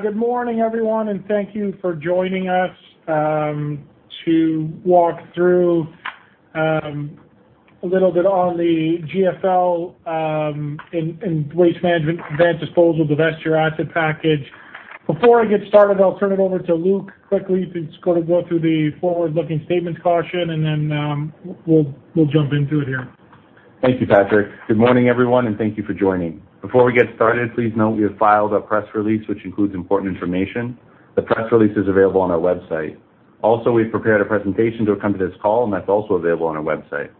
Good morning, everyone. Thank you for joining us to walk through a little bit on the GFL and Waste Management Advanced Disposal divested asset package. Before I get started, I'll turn it over to Luke quickly to go through the forward-looking statements caution. Then we'll jump into it here. Thank you, Patrick. Good morning, everyone, and thank you for joining. Before we get started, please note we have filed a press release which includes important information. The press release is available on our website. We've prepared a presentation to accompany this call, and that's also available on our website.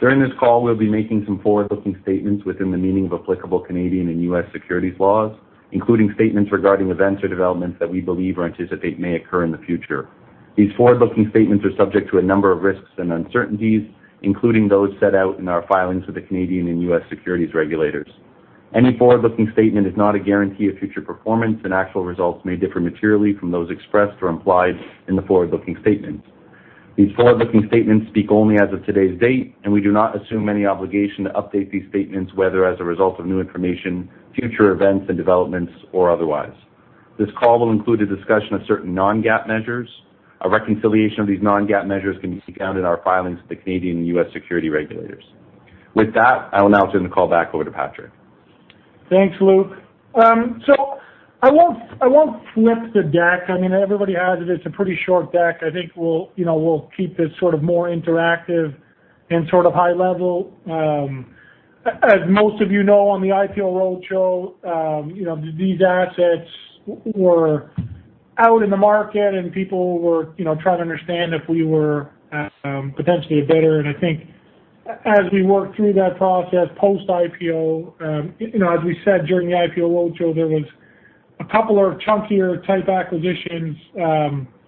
During this call, we'll be making some forward-looking statements within the meaning of applicable Canadian and U.S. securities laws, including statements regarding events or developments that we believe or anticipate may occur in the future. These forward-looking statements are subject to a number of risks and uncertainties, including those set out in our filings with the Canadian and U.S. securities regulators. Any forward-looking statement is not a guarantee of future performance, and actual results may differ materially from those expressed or implied in the forward-looking statements. These forward-looking statements speak only as of today's date, and we do not assume any obligation to update these statements, whether as a result of new information, future events and developments, or otherwise. This call will include a discussion of certain non-GAAP measures. A reconciliation of these non-GAAP measures can be found in our filings with the Canadian and U.S. security regulators. With that, I will now turn the call back over to Patrick. Thanks, Luke. I won't flip the deck. I mean, everybody has it. It's a pretty short deck. I think we'll keep this more interactive and high level. As most of you know, on the IPO roadshow, these assets were out in the market, and people were trying to understand if we were potentially a bidder. I think as we worked through that process post-IPO, as we said during the IPO roadshow, there was a couple of chunkier type acquisitions,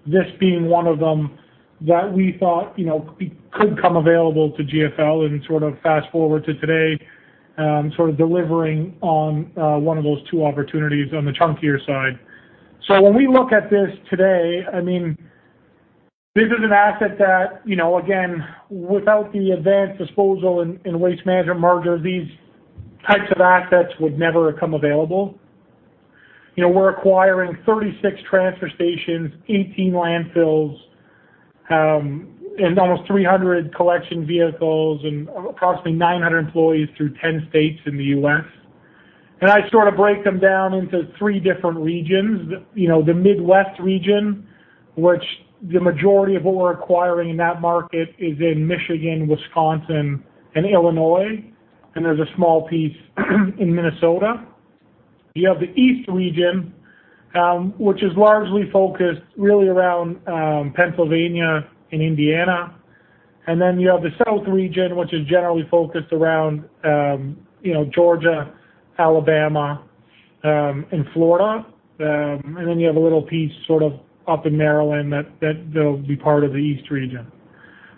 this being one of them, that we thought could come available to GFL, and fast forward to today, delivering on one of those two opportunities on the chunkier side. When we look at this today, this is an asset that, again, without the Advanced Disposal and Waste Management merger, these types of assets would never have come available. We're acquiring 36 transfer stations, 18 landfills, and almost 300 collection vehicles and approximately 900 employees through 10 states in the U.S. I break them down into three different regions. The Midwest region, which the majority of what we're acquiring in that market is in Michigan, Wisconsin, and Illinois, and there's a small piece in Minnesota. You have the East region, which is largely focused really around Pennsylvania and Indiana. Then you have the South region, which is generally focused around Georgia, Alabama, and Florida. Then you have a little piece up in Maryland that'll be part of the East region.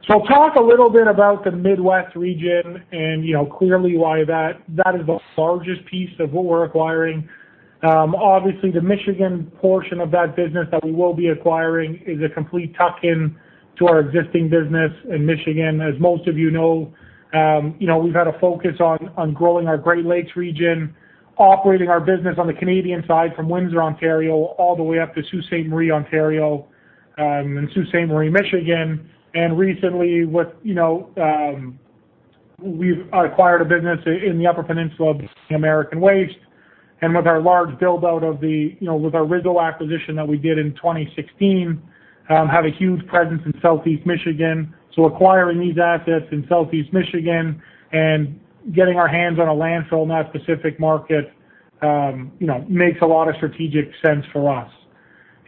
Talk a little bit about the Midwest region and clearly why that is the largest piece of what we're acquiring. Obviously, the Michigan portion of that business that we will be acquiring is a complete tuck-in to our existing business in Michigan. As most of you know, we've had a focus on growing our Great Lakes Region, operating our business on the Canadian side from Windsor, Ontario, all the way up to Sault Ste. Marie, Ontario, and Sault Ste. Marie, Michigan. Recently we've acquired a business in the Upper Peninsula, American Waste, and with our large build-out of the original acquisition that we did in 2016, have a huge presence in Southeast Michigan. Acquiring these assets in Southeast Michigan and getting our hands on a landfill in that specific market makes a lot of strategic sense for us.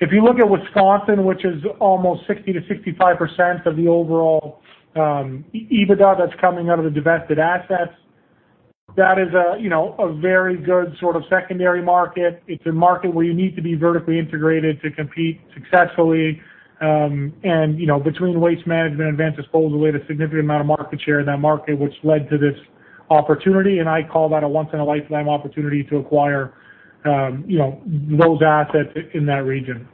If you look at Wisconsin, which is almost 60% to 65% of the overall EBITDA that's coming out of the divested assets, that is a very good sort of secondary market. It's a market where you need to be vertically integrated to compete successfully. Between Waste Management and Advanced Disposal, we had a significant amount of market share in that market, which led to this opportunity, and I call that a once in a lifetime opportunity to acquire those assets in that region.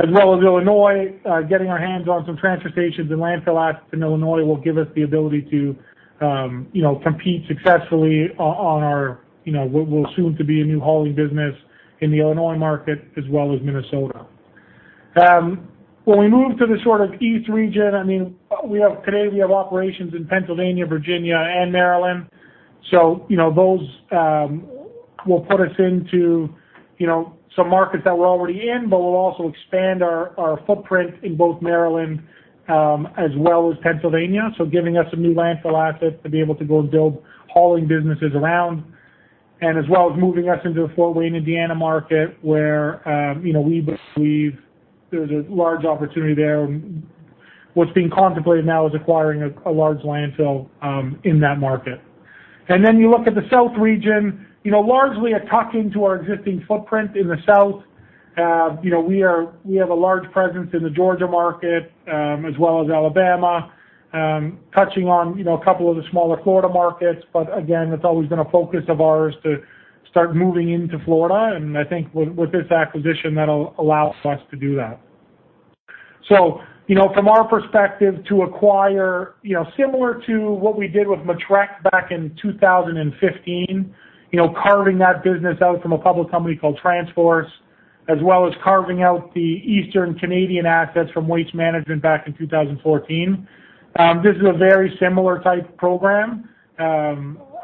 As well as Illinois, getting our hands on some transfer stations and landfill assets in Illinois will give us the ability to compete successfully on our, what will soon to be a new hauling business in the Illinois market as well as Minnesota. When we move to the East region, today we have operations in Pennsylvania, Virginia, and Maryland. Those will put us into some markets that we're already in, but we'll also expand our footprint in both Maryland, as well as Pennsylvania. Giving us some new landfill assets to be able to go build hauling businesses around, and as well as moving us into the Fort Wayne, Indiana market where we believe there's a large opportunity there. What's being contemplated now is acquiring a large landfill in that market. Then you look at the South region, largely a tuck-in to our existing footprint in the South. We have a large presence in the Georgia market, as well as Alabama, touching on a couple of the smaller Florida markets. Again, it's always been a focus of ours to start moving into Florida, and I think with this acquisition, that'll allow us to do that. From our perspective, to acquire, similar to what we did with Matrec back in 2015, carving that business out from a public company called TransForce, as well as carving out the Eastern Canadian assets from Waste Management back in 2014. This is a very similar type program.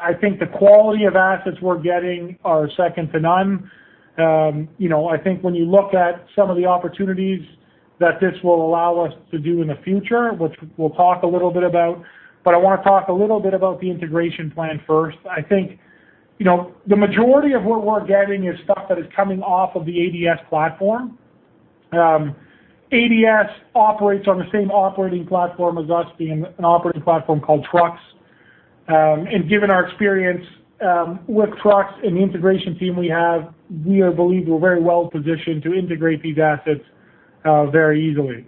I think the quality of assets we're getting are second to none. I think when you look at some of the opportunities that this will allow us to do in the future, which we'll talk a little bit about, but I want to talk a little bit about the integration plan first. I think, the majority of what we're getting is stuff that is coming off of the ADS platform. ADS operates on the same operating platform as us, being an operating platform called TRUX. Given our experience with TRUX and the integration team we have, we believe we're very well-positioned to integrate these assets very easily.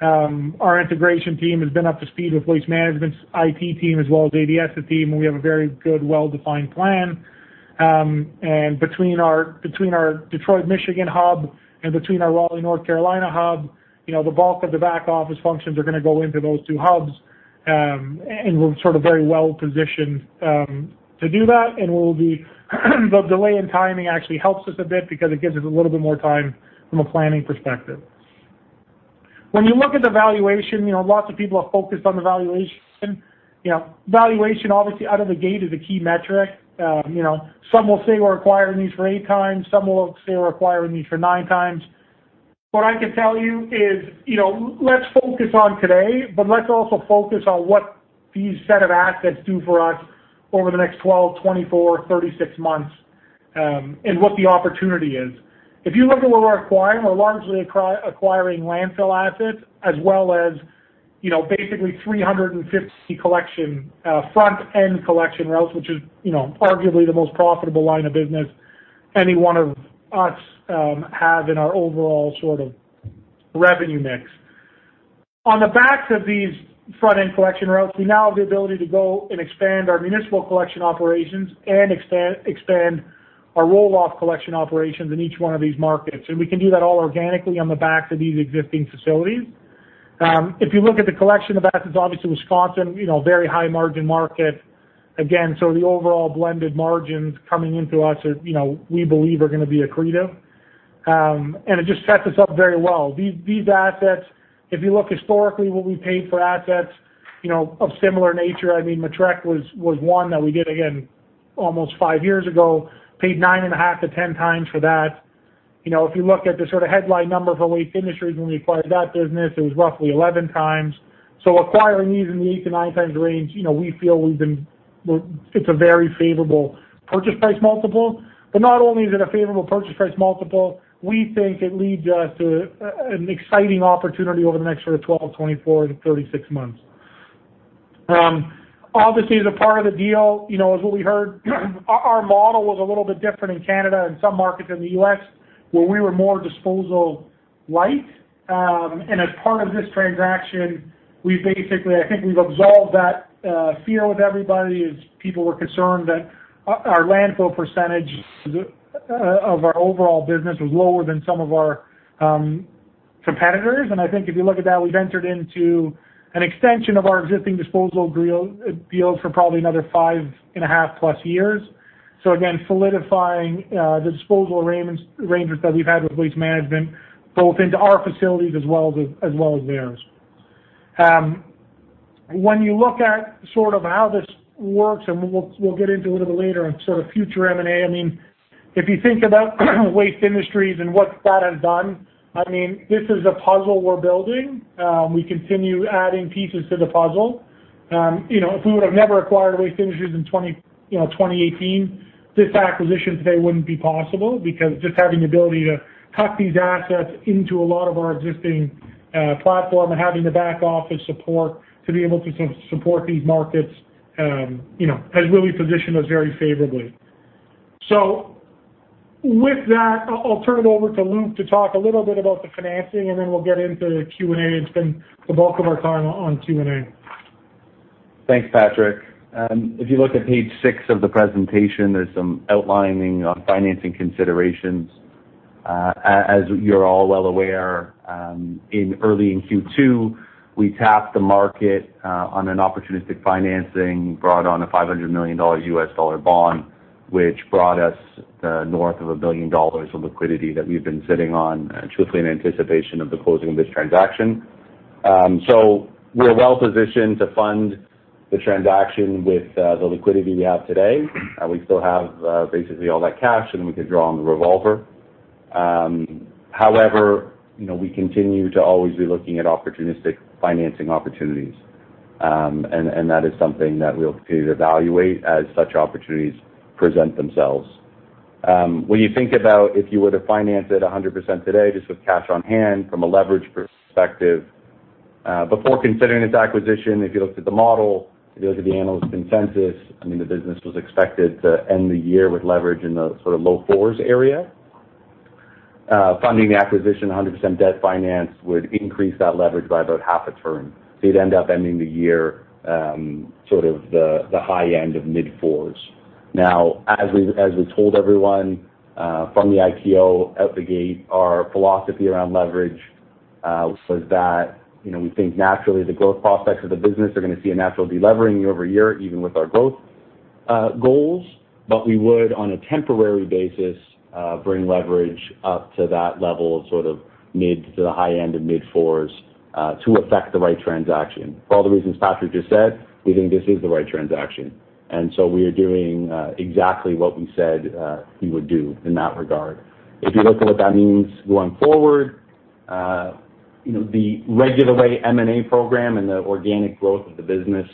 Our integration team has been up to speed with Waste Management's IT team as well as ADS' team, and we have a very good, well-defined plan. Between our Detroit, Michigan hub and between our Raleigh, North Carolina hub, the bulk of the back office functions are going to go into those two hubs, and we're very well-positioned to do that, and the delay in timing actually helps us a bit because it gives us a little bit more time from a planning perspective. When you look at the valuation, lots of people are focused on the valuation. Valuation, obviously, out of the gate is a key metric. Some will say we're acquiring these for 8x. Some will say we're acquiring these for 9x. What I can tell you is, let's focus on today, but let's also focus on what these set of assets do for us over the next 12, 24, 36 months, and what the opportunity is. If you look at what we're acquiring, we're largely acquiring landfill assets as well as basically 350 front-end collection routes, which is arguably the most profitable line of business any one of us have in our overall revenue mix. On the backs of these front-end collection routes, we now have the ability to go and expand our municipal collection operations and expand our roll-off collection operations in each one of these markets. We can do that all organically on the backs of these existing facilities. If you look at the collection of assets, obviously, Wisconsin, very high-margin market. Again, the overall blended margins coming into us are, we believe are going to be accretive. It just sets us up very well. These assets, if you look historically what we paid for assets of similar nature, I mean, Matrec was one that we did, again, almost five years ago, paid 9.5x-10x for that. If you look at the headline number for Waste Industries when we acquired that business, it was roughly 11x. Acquiring these in the 8x-9x range, we feel it's a very favorable purchase price multiple. Not only is it a favorable purchase price multiple, we think it leads us to an exciting opportunity over the next 12, 24 to 36 months. Obviously, the part of the deal as what we heard, our model was a little bit different in Canada and some markets in the U.S., where we were more disposal-light. As part of this transaction, I think we've absolved that fear with everybody as people were concerned that our landfill percentage of our overall business was lower than some of our competitors. Again, solidifying the disposal arrangements that we've had with Waste Management, both into our facilities as well as theirs. When you look at how this works, and we'll get into a little later on future M&A. If you think about Waste Industries and what that has done, this is a puzzle we're building. We continue adding pieces to the puzzle. If we would've never acquired Waste Industries in 2018, this acquisition today wouldn't be possible because just having the ability to tuck these assets into a lot of our existing platform and having the back office support to be able to support these markets has really positioned us very favorably. With that, I'll turn it over to Luke to talk a little bit about the financing, and then we'll get into Q&A and spend the bulk of our time on Q&A. Thanks, Patrick. If you look at page six of the presentation, there is some outlining on financing considerations. As you are all well aware, early in Q2, we tapped the market on an opportunistic financing, brought on a $500 million bond, which brought us north of 1 billion dollars of liquidity that we have been sitting on, truthfully, in anticipation of the closing of this transaction. We are well-positioned to fund the transaction with the liquidity we have today. We still have basically all that cash, and we could draw on the revolver. We continue to always be looking at opportunistic financing opportunities. That is something that we will continue to evaluate as such opportunities present themselves. When you think about if you were to finance it 100% today, just with cash on hand from a leverage perspective, before considering this acquisition, if you looked at the model, if you looked at the analyst consensus, I mean, the business was expected to end the year with leverage in the low fours area. Funding the acquisition 100% debt finance would increase that leverage by about half a turn. You'd end up ending the year the high end of mid fours. As we told everyone from the IPO out the gate, our philosophy around leverage was that we think naturally the growth prospects of the business are going to see a natural de-levering year-over-year, even with our growth goals. We would, on a temporary basis, bring leverage up to that level of mid to the high end of mid fours to effect the right transaction. For all the reasons Patrick just said, we think this is the right transaction. We are doing exactly what we said we would do in that regard. If you look at what that means going forward, the regular way M&A program and the organic growth of the business,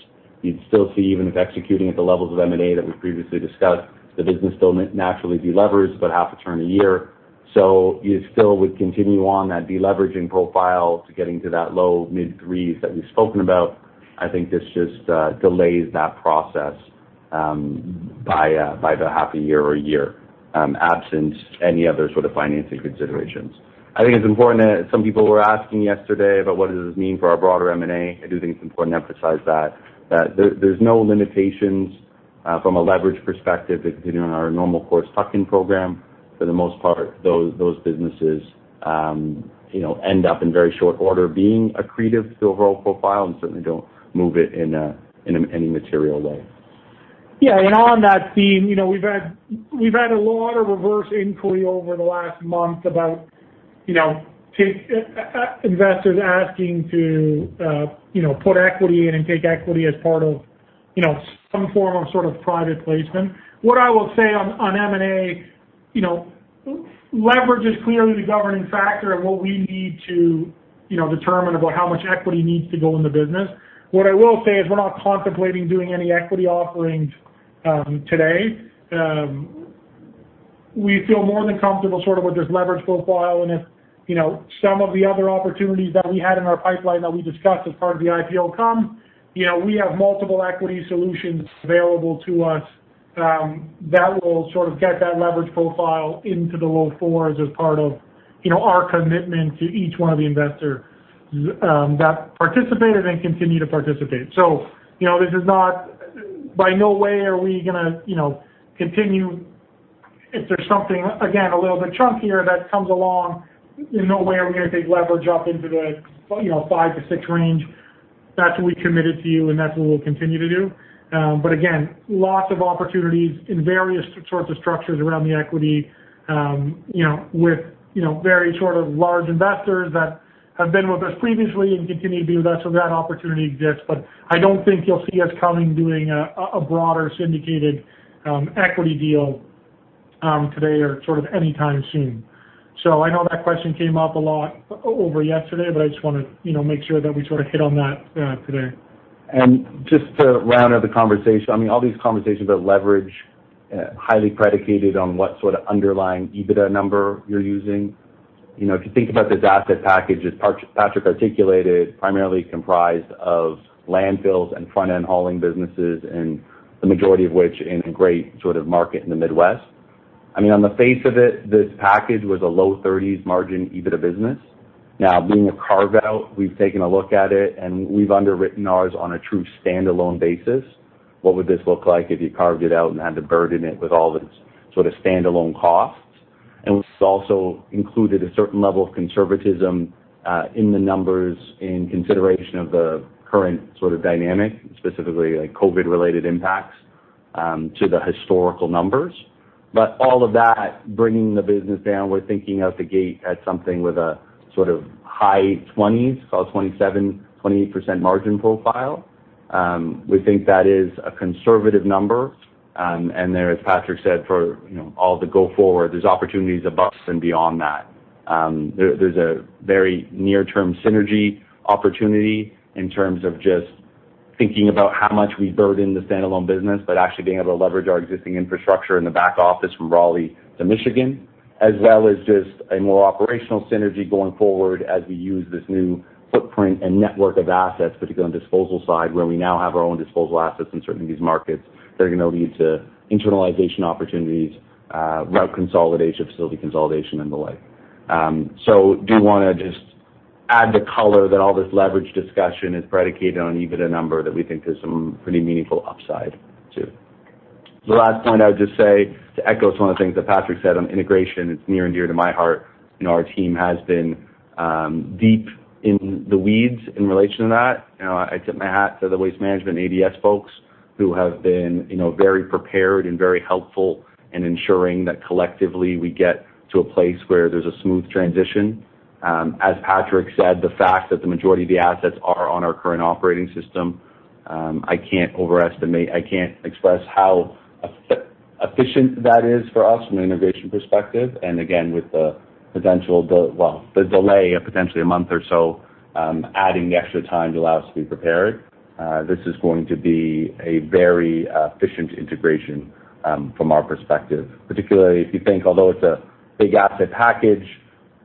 you'd still see, even if executing at the levels of M&A that we previously discussed, the business still naturally de-levers about half a turn a year. You still would continue on that de-leveraging profile to getting to that low mid threes that we've spoken about. I think this just delays that process by the half a year or a year, absent any other sort of financing considerations. I think it's important that some people were asking yesterday about what does this mean for our broader M&A. I do think it's important to emphasize that there's no limitations from a leverage perspective to continuing our normal course tuck-in program. For the most part, those businesses end up in very short order being accretive to the overall profile and certainly don't move it in any material way. On that theme, we've had a lot of reverse inquiry over the last month about investors asking to put equity in and take equity as part of some form of private placement. What I will say on M&A, leverage is clearly the governing factor in what we need to determine about how much equity needs to go in the business. What I will say is we're not contemplating doing any equity offerings today. We feel more than comfortable with this leverage profile. If some of the other opportunities that we had in our pipeline that we discussed as part of the IPO come, we have multiple equity solutions available to us that will get that leverage profile into the low fours as part of our commitment to each one of the investors that participated and continue to participate. By no way are we going to continue if there's something, again, a little bit chunkier that comes along. No way are we going to take leverage up into the five to six range. That's what we committed to you, and that's what we'll continue to do. Again, lots of opportunities in various sorts of structures around the equity with very large investors that have been with us previously and continue to be with us. That opportunity exists, but I don't think you'll see us coming, doing a broader syndicated equity deal today or anytime soon. I know that question came up a lot over yesterday, but I just want to make sure that we hit on that today. Just to round out the conversation, all these conversations about leverage, highly predicated on what sort of underlying EBITDA number you're using. If you think about this asset package, as Patrick articulated, primarily comprised of landfills and front-end hauling businesses and the majority of which in a great market in the Midwest. On the face of it, this package was a low 30s margin EBITDA business. Now, being a carve-out, we've taken a look at it, and we've underwritten ours on a true standalone basis. What would this look like if you carved it out and had to burden it with all its standalone costs? And we also included a certain level of conservatism in the numbers in consideration of the current dynamic, specifically COVID-related impacts to the historical numbers. All of that, bringing the business down, we're thinking out the gate at something with a high 20s, call it 27%-28% margin profile. We think that is a conservative number. There, as Patrick said, for all the go forward, there's opportunities above and beyond that. There's a very near-term synergy opportunity in terms of just thinking about how much we burden the standalone business, but actually being able to leverage our existing infrastructure in the back office from Raleigh to Michigan. As well as just a more operational synergy going forward as we use this new footprint and network of assets, particularly on disposal side, where we now have our own disposal assets in certain of these markets that are going to lead to internalization opportunities, route consolidation, facility consolidation, and the like. Do want to just add the color that all this leverage discussion is predicated on one EBITDA number that we think there's some pretty meaningful upside to. The last point I would just say, to echo one of the things that Patrick said on integration, it's near and dear to my heart. Our team has been deep in the weeds in relation to that. I tip my hat to the Waste Management ADS folks who have been very prepared and very helpful in ensuring that collectively we get to a place where there's a smooth transition. As Patrick said, the fact that the majority of the assets are on our current operating system, I can't express how efficient that is for us from an integration perspective. Again, with the delay of potentially a month or so, adding the extra time to allow us to be prepared, this is going to be a very efficient integration from our perspective. Particularly if you think, although it's a big asset package,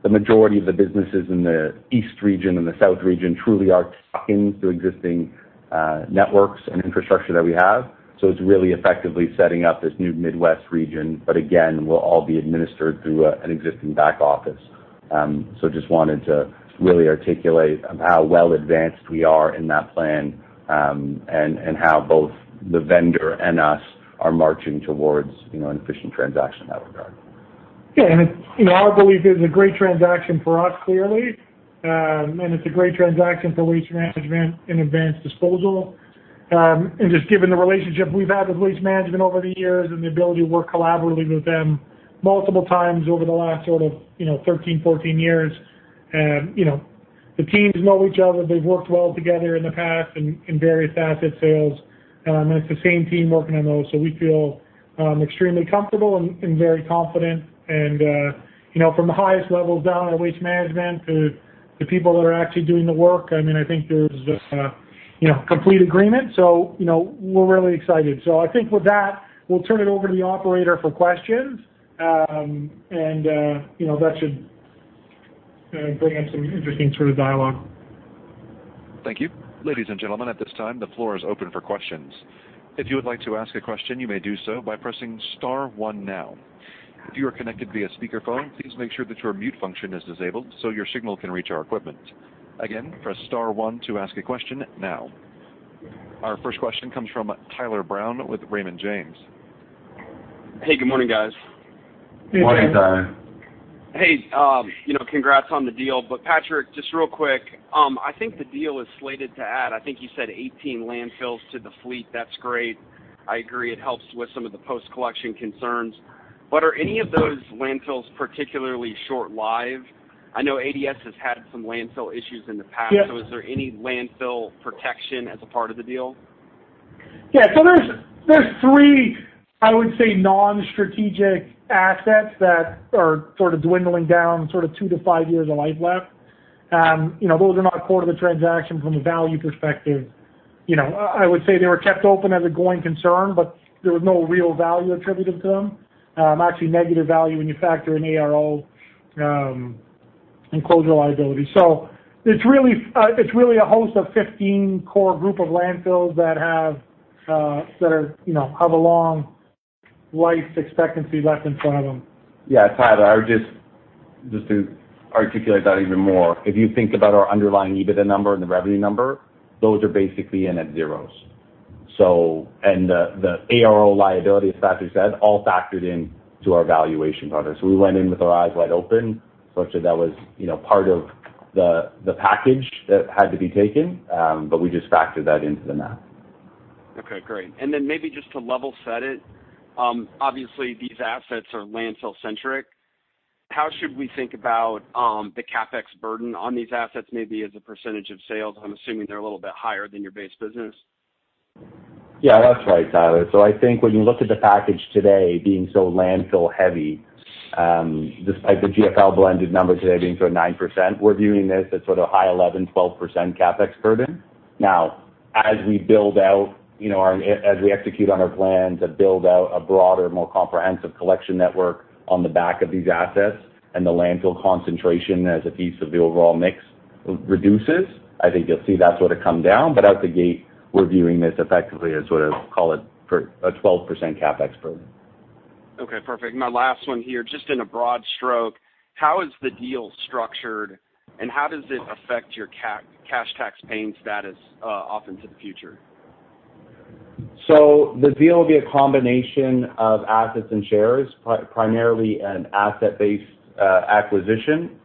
the majority of the businesses in the east region and the south region truly are tuck-ins to existing networks and infrastructure that we have. It's really effectively setting up this new Midwest region, but again, will all be administered through an existing back office. We just wanted to really articulate how well advanced we are in that plan and how both the vendor and us are marching towards an efficient transaction in that regard. Yeah, our belief is it's a great transaction for us, clearly, and it's a great transaction for Waste Management and Advanced Disposal. Just given the relationship we've had with Waste Management over the years and the ability to work collaboratively with them multiple times over the last sort of 13, 14 years, the teams know each other. They've worked well together in the past in various asset sales, and it's the same team working on those. We feel extremely comfortable and very confident. From the highest levels down at Waste Management to the people that are actually doing the work, I think there's just complete agreement. We're really excited. I think with that, we'll turn it over to the operator for questions, and that should bring up some interesting sort of dialogue. Thank you. Ladies and gentlemen, at this time, the floor is open for questions. If you would like to ask a question, you may do so by pressing star one now. If you are connected via speaker phone, please make sure that your mute function is disabled so your signal can reach our equipment. Again, press star one to ask a question now. Our first question comes from Tyler Brown with Raymond James. Hey, good morning, guys. Good morning, Tyler. Hey, congrats on the deal. Patrick, just real quick, I think the deal is slated to add, I think you said, 18 landfills to the fleet. That's great. I agree it helps with some of the post-collection concerns. Are any of those landfills particularly short-lived? I know ADS has had some landfill issues in the past. Yes. Is there any landfill protection as a part of the deal? Yeah. There's three, I would say, non-strategic assets that are sort of dwindling down, sort of two to five years of life left. Those are not core to the transaction from a value perspective. I would say they were kept open as a going concern, but there was no real value attributed to them. Actually, negative value when you factor in ARO and closure liability. It's really a host of 15 core group of landfills that have a long life expectancy left in front of them. Yeah, Tyler, just to articulate that even more, if you think about our underlying EBITDA number and the revenue number, those are basically in at zeros. The ARO liability, as Patrick said, all factored into our valuation partner. We went in with our eyes wide open, such that was part of the package that had to be taken, but we just factored that into the math. Okay, great. Maybe just to level set it, obviously these assets are landfill-centric. How should we think about the CapEx burden on these assets, maybe as a percentage of sales? I'm assuming they're a little bit higher than your base business. Yeah, that's right, Tyler. I think when you look at the package today being so landfill-heavy, despite the GFL blended numbers today being sort of 9%, we're viewing this as sort of high 11%, 12% CapEx burden. Now, as we execute on our plan to build out a broader, more comprehensive collection network on the back of these assets and the landfill concentration as a piece of the overall mix reduces, I think you'll see that sort of come down. Out the gate, we're viewing this effectively as sort of, call it a 12% CapEx burden. Okay, perfect. My last one here, just in a broad stroke, how is the deal structured, and how does it affect your cash tax paying status off into the future? The deal will be a combination of assets and shares, primarily an asset-based acquisition.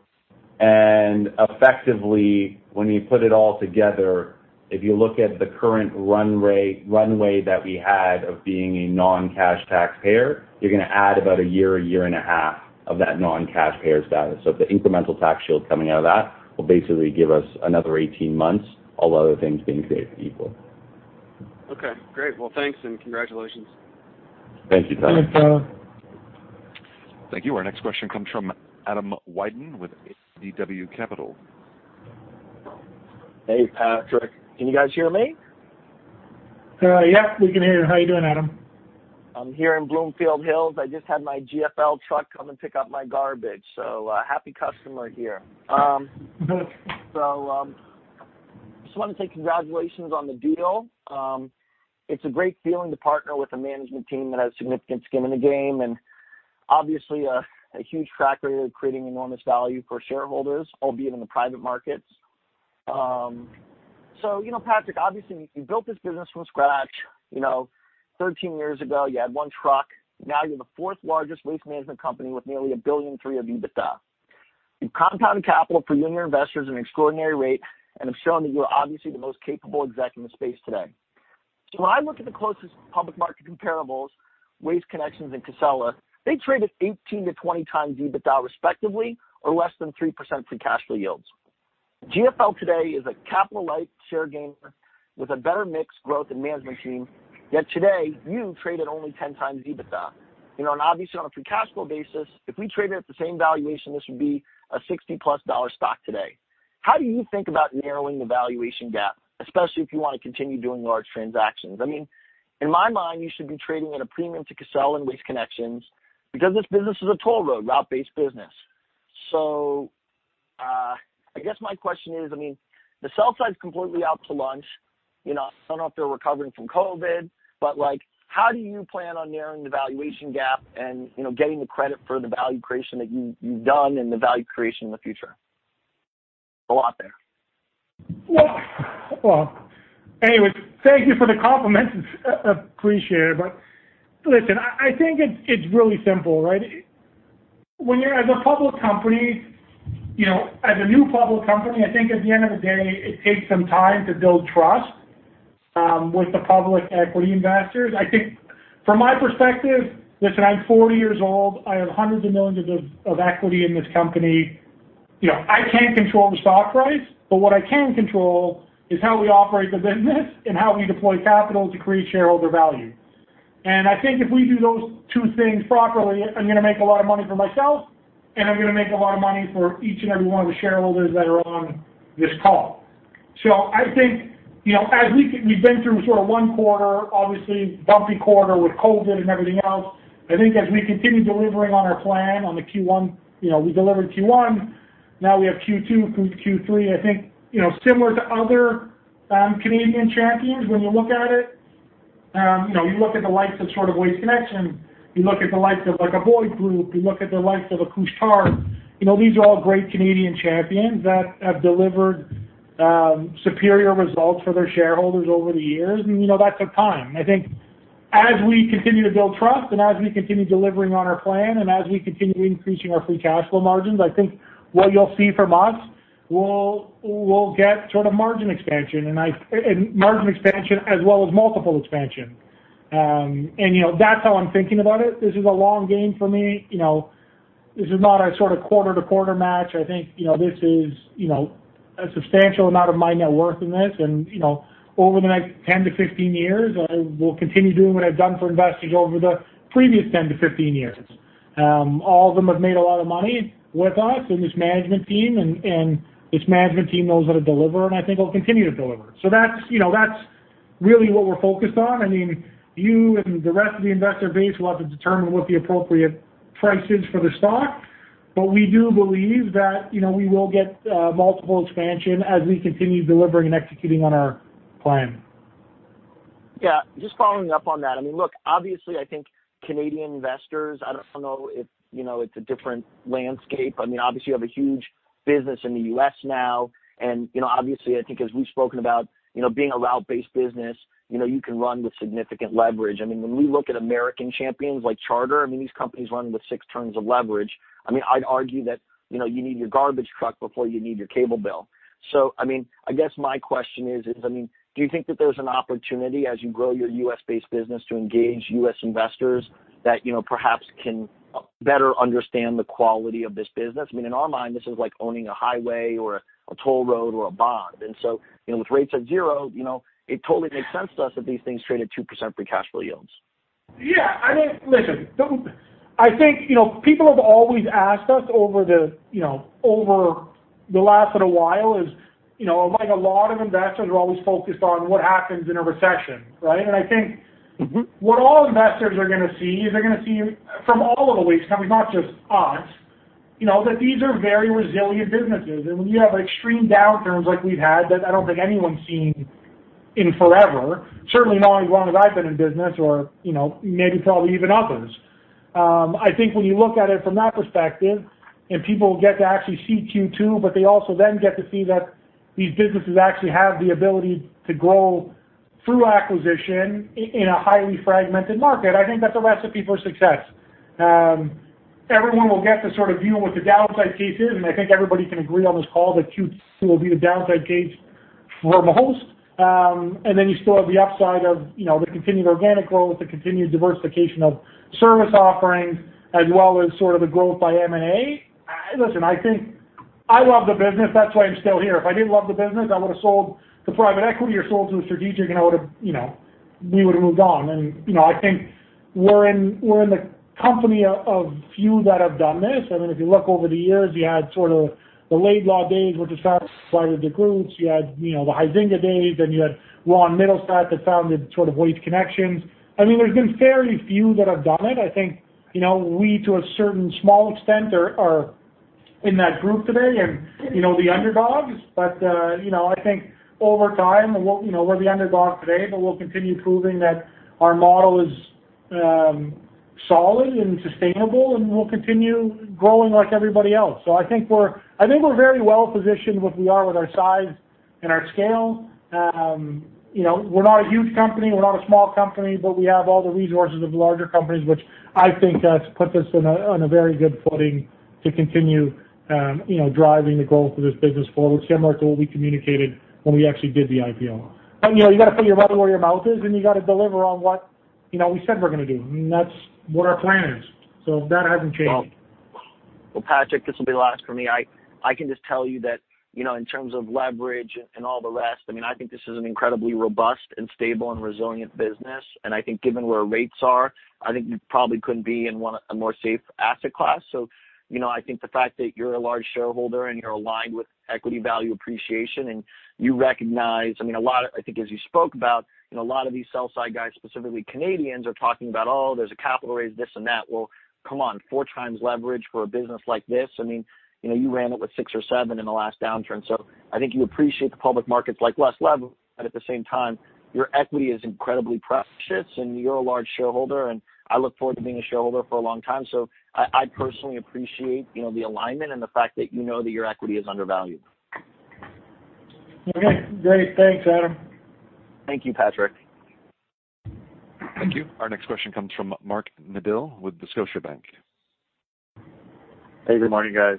Effectively, when you put it all together, if you look at the current runway that we had of being a non-cash taxpayer, you're going to add about a year, a year and a half of that non-cash payer status. The incremental tax shield coming out of that will basically give us another 18 months, all other things being created equal. Okay, great. Well, thanks, and congratulations. Thank you, Tyler. Thanks, Tyler. Thank you. Our next question comes from Adam Wyden with ADW Capital. Hey, Patrick. Can you guys hear me? Yeah, we can hear you. How you doing, Adam? I'm here in Bloomfield Hills. I just had my GFL truck come and pick up my garbage. Happy customer here. Just wanted to say congratulations on the deal. It's a great feeling to partner with a management team that has significant skin in the game and obviously a huge track record of creating enormous value for shareholders, albeit in the private markets. Patrick, obviously you built this business from scratch. 13 years ago, you had one truck. Now you're the fourth largest waste management company with nearly 1.3 billion of EBITDA. You've compounded capital for you and your investors at an extraordinary rate and have shown that you are obviously the most capable exec in the space today. When I look at the closest public market comparables, Waste Connections and Casella, they trade at 18x-20x EBITDA respectively, or less than 3% free cash flow yields. GFL today is a capital-light share gainer with a better mix growth and management team. Yet today, you trade at only 10x EBITDA. Obviously on a free cash flow basis, if we trade it at the same valuation, this would be a 60-plus dollar stock today. How do you think about narrowing the valuation gap, especially if you want to continue doing large transactions? In my mind, you should be trading at a premium to Casella and Waste Connections because this business is a toll road, route-based business. I guess my question is, the sell side's completely out to lunch. I don't know if they're recovering from COVID. How do you plan on narrowing the valuation gap and getting the credit for the value creation that you've done and the value creation in the future? Go out there. Well, anyway, thank you for the compliments. Appreciate it. Listen, I think it's really simple, right? As a new public company, I think at the end of the day, it takes some time to build trust with the public equity investors. I think from my perspective, listen, I'm 40 years old. I have hundreds of millions of equity in this company. I can't control the stock price, but what I can control is how we operate the business and how we deploy capital to create shareholder value. I think if we do those two things properly, I'm going to make a lot of money for myself, and I'm going to make a lot of money for each and every one of the shareholders that are on this call. I think, as we've been through sort of one quarter, obviously bumpy quarter with COVID and everything else, I think as we continue delivering on our plan on the Q1, we delivered Q1, now we have Q2 through Q3. I think similar to other Canadian champions, when you look at it, you look at the likes of sort of Waste Connections, you look at the likes of like a Boyd Group, you look at the likes of a Couche-Tard, these are all great Canadian champions that have delivered superior results for their shareholders over the years. That took time. I think as we continue to build trust and as we continue delivering on our plan, and as we continue increasing our free cash flow margins, I think what you'll see from us, we'll get sort of margin expansion. Margin expansion as well as multiple expansion. That's how I'm thinking about it. This is a long game for me. This is not a sort of quarter-to-quarter match. I think this is a substantial amount of my net worth in this. Over the next 10 to 15 years, I will continue doing what I've done for investors over the previous 10 to 15 years. All of them have made a lot of money with us and this management team, and this management team knows how to deliver, and I think will continue to deliver. That's really what we're focused on. You and the rest of the investor base will have to determine what the appropriate price is for the stock. We do believe that we will get multiple expansion as we continue delivering and executing on our plan. Just following up on that. Look, obviously, I think Canadian investors, I don't know if it's a different landscape. Obviously you have a huge business in the U.S. now, and obviously I think as we've spoken about, being a route-based business, you can run with significant leverage. When we look at American champions like Charter, these companies run with six turns of leverage. I'd argue that you need your garbage truck before you need your cable bill. I guess my question is, do you think that there's an opportunity as you grow your U.S.-based business to engage U.S. investors that perhaps can better understand the quality of this business? In our mind, this is like owning a highway or a toll road or a bond. With rates at zero, it totally makes sense to us that these things trade at 2% free cash flow yields. Yeah. Listen. I think people have always asked us over the last little while is, like a lot of investors are always focused on what happens in a recession, right? I think what all investors are going to see is they're going to see from all of the waste companies, not just us, that these are very resilient businesses. When you have extreme downturns like we've had, that I don't think anyone's seen in forever, certainly not as long as I've been in business or maybe probably even others. I think when you look at it from that perspective and people get to actually see Q2, they also get to see that these businesses actually have the ability to grow through acquisition in a highly fragmented market. I think that's a recipe for success. Everyone will get to sort of view what the downside case is, and I think everybody can agree on this call that Q2 will be the downside case for the most. You still have the upside of the continued organic growth, the continued diversification of service offerings, as well as sort of the growth by M&A. Listen, I think I love the business. That's why I'm still here. If I didn't love the business, I would've sold to private equity or sold to a strategic, and we would've moved on. I think we're in the company of few that have done this. If you look over the years, you had sort of the Laidlaw days, which is outside of the groups. You had the Huizenga days, and you had Ron Mittelstaedt that founded sort of Waste Connections. There's been very few that have done it. I think we, to a certain small extent, are in that group today and the underdogs. I think over time, we're the underdog today, but we'll continue proving that our model is solid and sustainable, and we'll continue growing like everybody else. I think we're very well positioned with where we are with our size and our scale. We're not a huge company. We're not a small company, but we have all the resources of larger companies, which I think has put us in a very good footing to continue driving the growth of this business forward, similar to what we communicated when we actually did the IPO. You got to put your money where your mouth is, and you got to deliver on what we said we're going to do, and that's what our plan is. That hasn't changed. Well, Patrick, this will be the last for me. I can just tell you that in terms of leverage and all the rest, I think this is an incredibly robust and stable and resilient business, and I think given where rates are, I think you probably couldn't be in a more safe asset class. I think the fact that you're a large shareholder and you're aligned with equity value appreciation, and I think as you spoke about, a lot of these sell side guys, specifically Canadians, are talking about, "Oh, there's a capital raise," this and that. Well, come on, four times leverage for a business like this? You ran it with six or seven in the last downturn. I think you appreciate the public markets like less leverage, but at the same time, your equity is incredibly precious, and you're a large shareholder, and I look forward to being a shareholder for a long time. I personally appreciate the alignment and the fact that you know that your equity is undervalued. Okay, great. Thanks, Adam. Thank you, Patrick. Thank you. Our next question comes from Mark Neville with the Scotiabank. Hey, good morning, guys.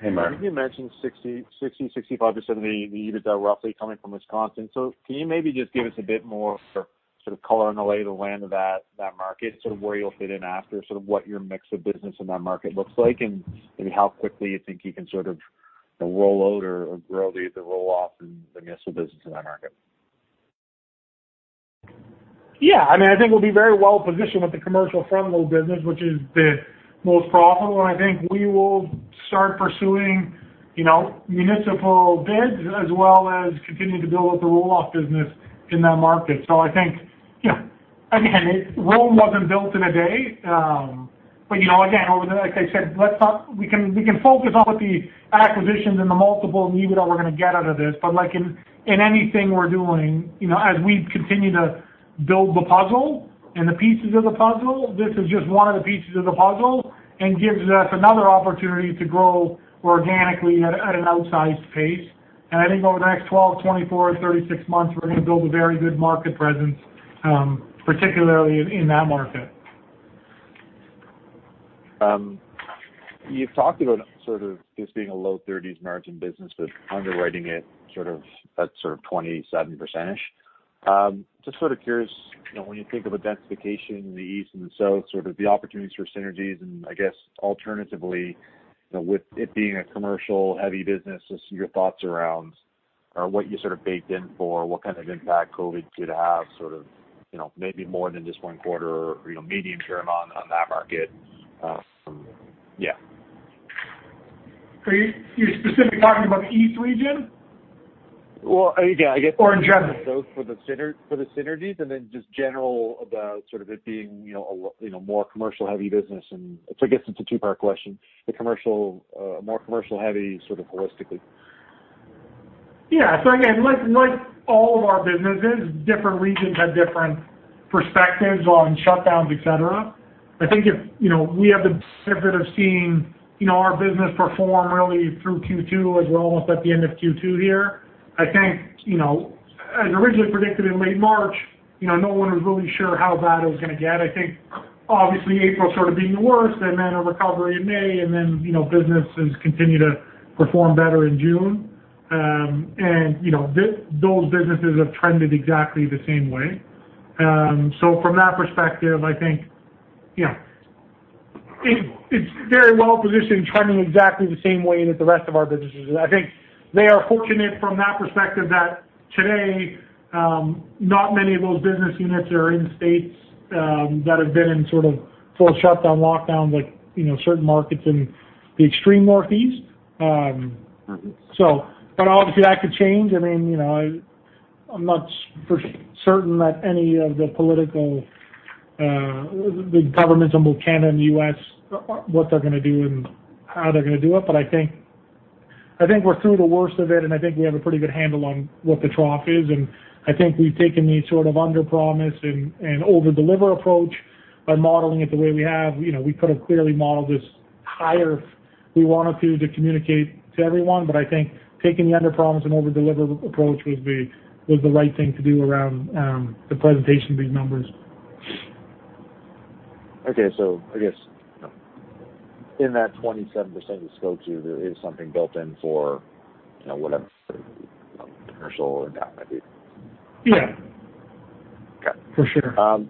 Hey, Mark. You mentioned 60 million, 65 million-70 million in EBITDA roughly coming from Wisconsin. Can you maybe just give us a bit more sort of color on the lay of the land of that market, sort of where you'll fit in after, sort of what your mix of business in that market looks like, and maybe how quickly you think you can sort of roll out or grow the roll-off and the municipal business in that market? Yeah. I think we'll be very well-positioned with the commercial front load business, which is the most profitable. I think we will start pursuing municipal bids as well as continuing to build up the roll-off business in that market. I think, again, Rome wasn't built in a day. Again, like I said, we can focus on what the acquisitions and the multiple and EBITDA we're going to get out of this. Like in anything we're doing, as we continue to build the puzzle and the pieces of the puzzle, this is just one of the pieces of the puzzle and gives us another opportunity to grow organically at an outsized pace. I think over the next 12, 24, 36 months, we're going to build a very good market presence, particularly in that market. You've talked about sort of this being a low 30s margin business, but underwriting it sort of at 27%. Just sort of curious, when you think of identification in the East and the South, sort of the opportunities for synergies and I guess alternatively, with it being a commercial heavy business, just your thoughts around or what you sort of baked in for, what kind of impact COVID could have sort of maybe more than just one quarter or medium term on that market. Yeah? You're specifically talking about the east region? Well, yeah, I guess- In general? Both for the synergies and then just general about sort of it being a more commercial heavy business. I guess it's a two-part question: the more commercial heavy sort of holistically. Yeah. Again, like all of our businesses, different regions have different perspectives on shutdowns, et cetera. I think we have the benefit of seeing our business perform really through Q2 as we're almost at the end of Q2 here. I think, as originally predicted in late March, no one was really sure how bad it was going to get. I think obviously April sort of being the worst and then a recovery in May, and then businesses continue to perform better in June. Those businesses have trended exactly the same way. From that perspective, I think it's very well positioned trending exactly the same way that the rest of our businesses is. I think they are fortunate from that perspective that today, not many of those business units are in states that have been in sort of full shutdown, lockdown, like certain markets in the extreme northeast. Obviously that could change. I mean, I'm not certain that any of the political, the governments in both Canada and the U.S., what they're going to do and how they're going to do it. I think we're through the worst of it, and I think we have a pretty good handle on what the trough is, and I think we've taken the sort of underpromise and overdeliver approach by modeling it the way we have. We could have clearly modeled this higher if we wanted to communicate to everyone, but I think taking the underpromise and overdeliver approach was the right thing to do around the presentation of these numbers. Okay. I guess in that 27% you spoke to, there is something built in for whatever commercial impact that is. Yeah. Okay. For sure.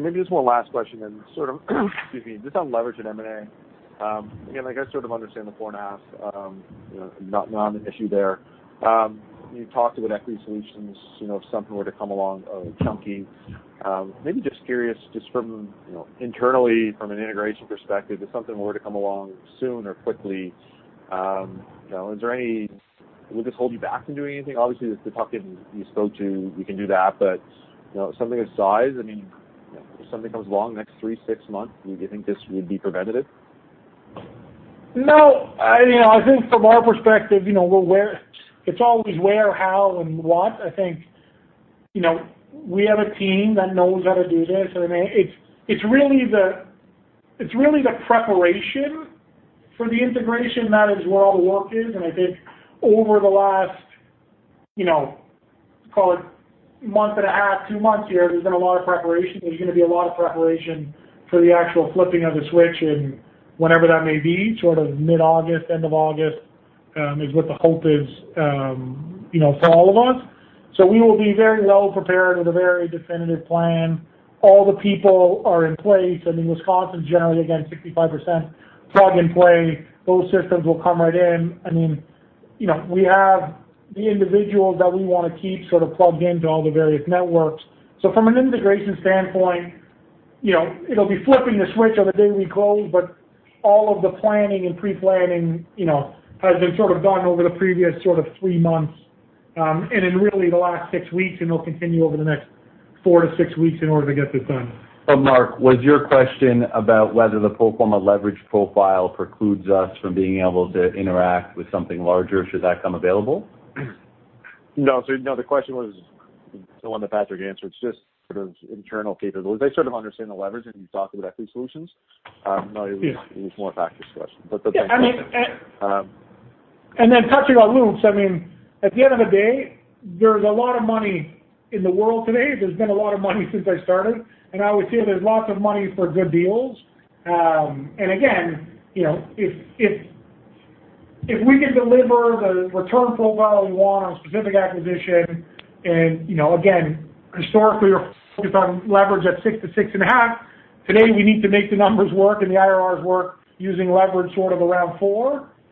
Maybe just one last question, excuse me, just on leverage and M&A. I understand the 4.5, not an issue there. You talked about equity solutions, if something were to come along chunky. Maybe just curious from internally, from an integration perspective, if something were to come along soon or quickly, would this hold you back from doing anything? The tuck-in you spoke to, you can do that, something of size, I mean, if something comes along next three, six months, do you think this would be preventative? No. I think from our perspective, it's always where, how, and when. I think we have a team that knows how to do this. I mean, it's really the preparation for the integration that is where all the work is, and I think over the last call it month and a half, two months here, there's been a lot of preparation. There's going to be a lot of preparation for the actual flipping of the switch and whenever that may be, sort of mid-August, end of August, is what the hope is for all of us. We will be very well prepared with a very definitive plan. All the people are in place. I mean, Wisconsin is generally, again, 65% plug and play. Those systems will come right in. I mean, we have the individuals that we want to keep sort of plugged into all the various networks. From an integration standpoint, it'll be flipping the switch on the day we close, but all of the planning and pre-planning has been sort of done over the previous sort of three months. In really the last six weeks, and it'll continue over the next four to six weeks in order to get this done. Mark, was your question about whether the pro forma leverage profile precludes us from being able to interact with something larger should that come available? No. The question was the one that Patrick answered. It's just sort of internal capabilities. I sort of understand the leverage when you talk about equity solutions. Yeah. No, it was more Patrick's question, but that's fine. Yeah. Touching on Luke, at the end of the day, there's a lot of money in the world today. There's been a lot of money since I started, and I always say there's lots of money for good deals. Again, if we can deliver the return profile we want on a specific acquisition, again, historically we're focused on leverage at 6 to 6.5. Today, we need to make the numbers work and the IRRs work using leverage sort of around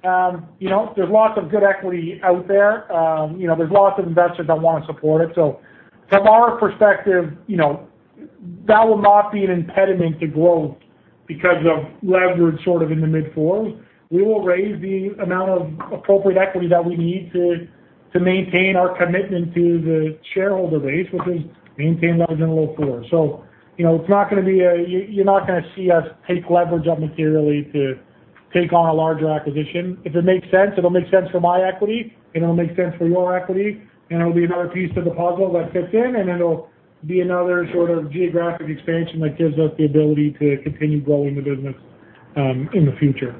4. There's lots of good equity out there. There's lots of investors that want to support it. From our perspective, that will not be an impediment to growth because of leverage sort of in the mid-4. We will raise the amount of appropriate equity that we need to maintain our commitment to the shareholder base, which is maintain leverage in the low fours. You're not going to see us take leverage up materially to take on a larger acquisition. If it makes sense, it'll make sense for my equity, and it'll make sense for your equity, and it'll be another piece to the puzzle that fits in, and it'll be another sort of geographic expansion that gives us the ability to continue growing the business in the future.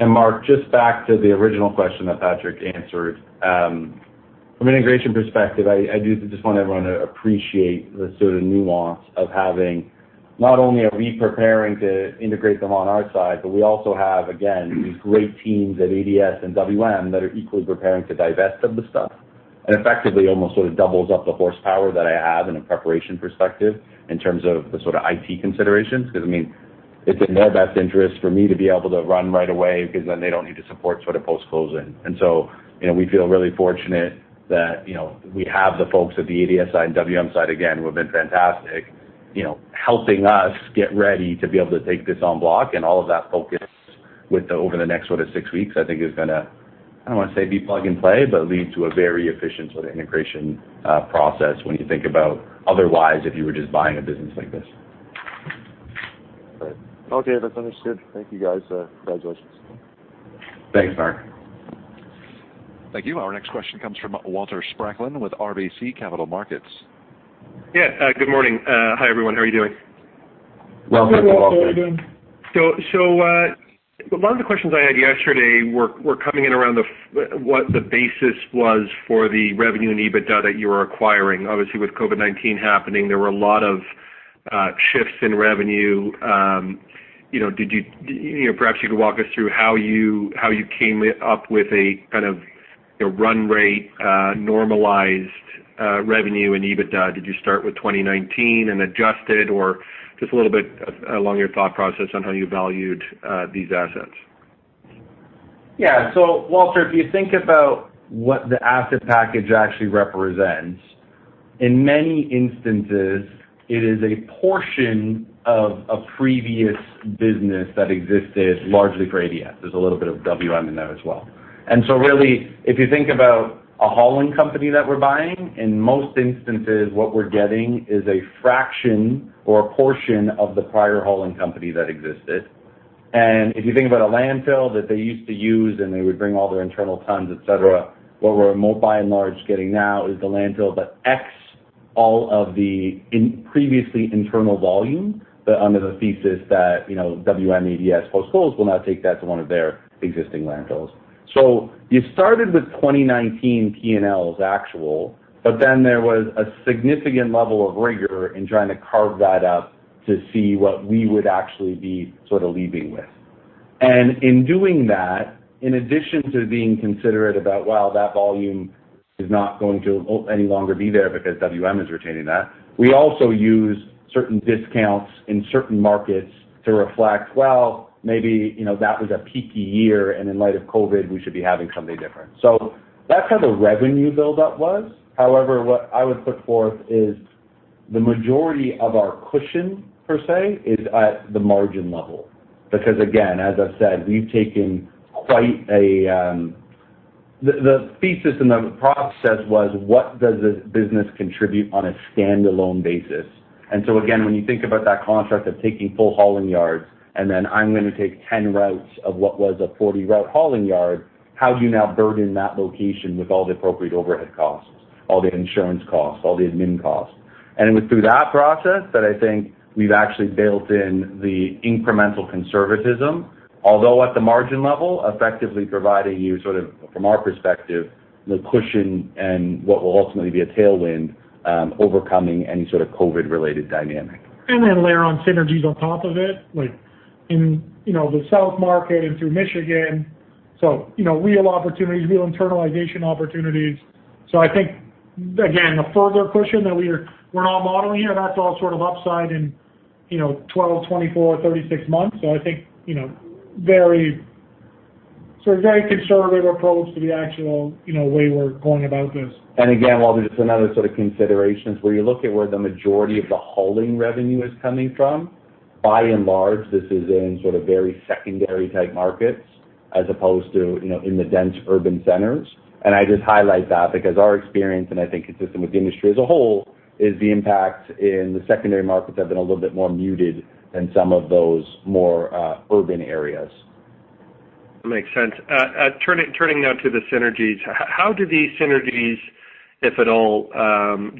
Mark, just back to the original question that Patrick answered. From an integration perspective, I do just want everyone to appreciate the sort of nuance of having, not only are we preparing to integrate them on our side, but we also have, again, these great teams at ADS and WM that are equally preparing to divest of the stuff. Effectively, almost sort of doubles up the horsepower that I have in a preparation perspective in terms of the sort of IT considerations, because it's in their best interest for me to be able to run right away because then they don't need to support post-closing. We feel really fortunate that we have the folks at the ADS side and WM side, again, who have been fantastic, helping us get ready to be able to take this on block and all of that focus over the next six weeks, I think is going to, I don't want to say be plug and play, but lead to a very efficient sort of integration process when you think about otherwise if you were just buying a business like this. Right. Okay. That's understood. Thank you guys. Congratulations. Thanks, Mark. Thank you. Our next question comes from Walter Spracklin with RBC Capital Markets. Yeah. Good morning. Hi, everyone. How are you doing? Welcome, Walter. Good. How are you doing? A lot of the questions I had yesterday were coming in around what the basis was for the revenue and EBITDA that you were acquiring. Obviously, with COVID-19 happening, there were a lot of shifts in revenue. Perhaps you could walk us through how you came up with a kind of run rate, normalized revenue in EBITDA. Did you start with 2019 and adjusted? Or just a little bit along your thought process on how you valued these assets. Yeah. Walter, if you think about what the asset package actually represents, in many instances, it is a portion of a previous business that existed largely for ADS. There's a little bit of WM in there as well. Really, if you think about a hauling company that we're buying, in most instances, what we're getting is a fraction or a portion of the prior hauling company that existed. If you think about a landfill that they used to use and they would bring all their internal tons, et cetera, what we're by and large getting now is the landfill, but X all of the previously internal volume, under the thesis that WM ADS post-close will now take that to one of their existing landfills. You started with 2019 P&L as actual, but then there was a significant level of rigor in trying to carve that up to see what we would actually be sort of leaving with. In doing that, in addition to being considerate about, well, that volume is not going to any longer be there because WM is retaining that. We also use certain discounts in certain markets to reflect, well, maybe, that was a peaky year, and in light of COVID, we should be having something different. That's how the revenue buildup was. However, what I would put forth is the majority of our cushion, per se, is at the margin level. Again, as I've said, the thesis and the process was what does this business contribute on a standalone basis? Again, when you think about that construct of taking full hauling yards, and then I'm going to take 10 routes of what was a 40-route hauling yard, how do you now burden that location with all the appropriate overhead costs, all the insurance costs, all the admin costs. It was through that process that I think we've actually built in the incremental conservatism, although at the margin level, effectively providing you sort of, from our perspective, the cushion and what will ultimately be a tailwind, overcoming any sort of COVID related dynamic. Then layer on synergies on top of it, like in the south market and through Michigan. Real opportunities, real internalization opportunities. I think, again, the further cushion that we're now modeling here, that's all sort of upside in 12, 24, 36 months. I think, very conservative approach to the actual way we're going about this. Again, Walter, just another sort of consideration is where you look at where the majority of the hauling revenue is coming from. By and large, this is in sort of very secondary type markets as opposed to in the dense urban centers. I just highlight that because our experience, and I think consistent with the industry as a whole, is the impact in the secondary markets have been a little bit more muted than some of those more urban areas. Makes sense. Turning now to the synergies. How do these synergies, if at all,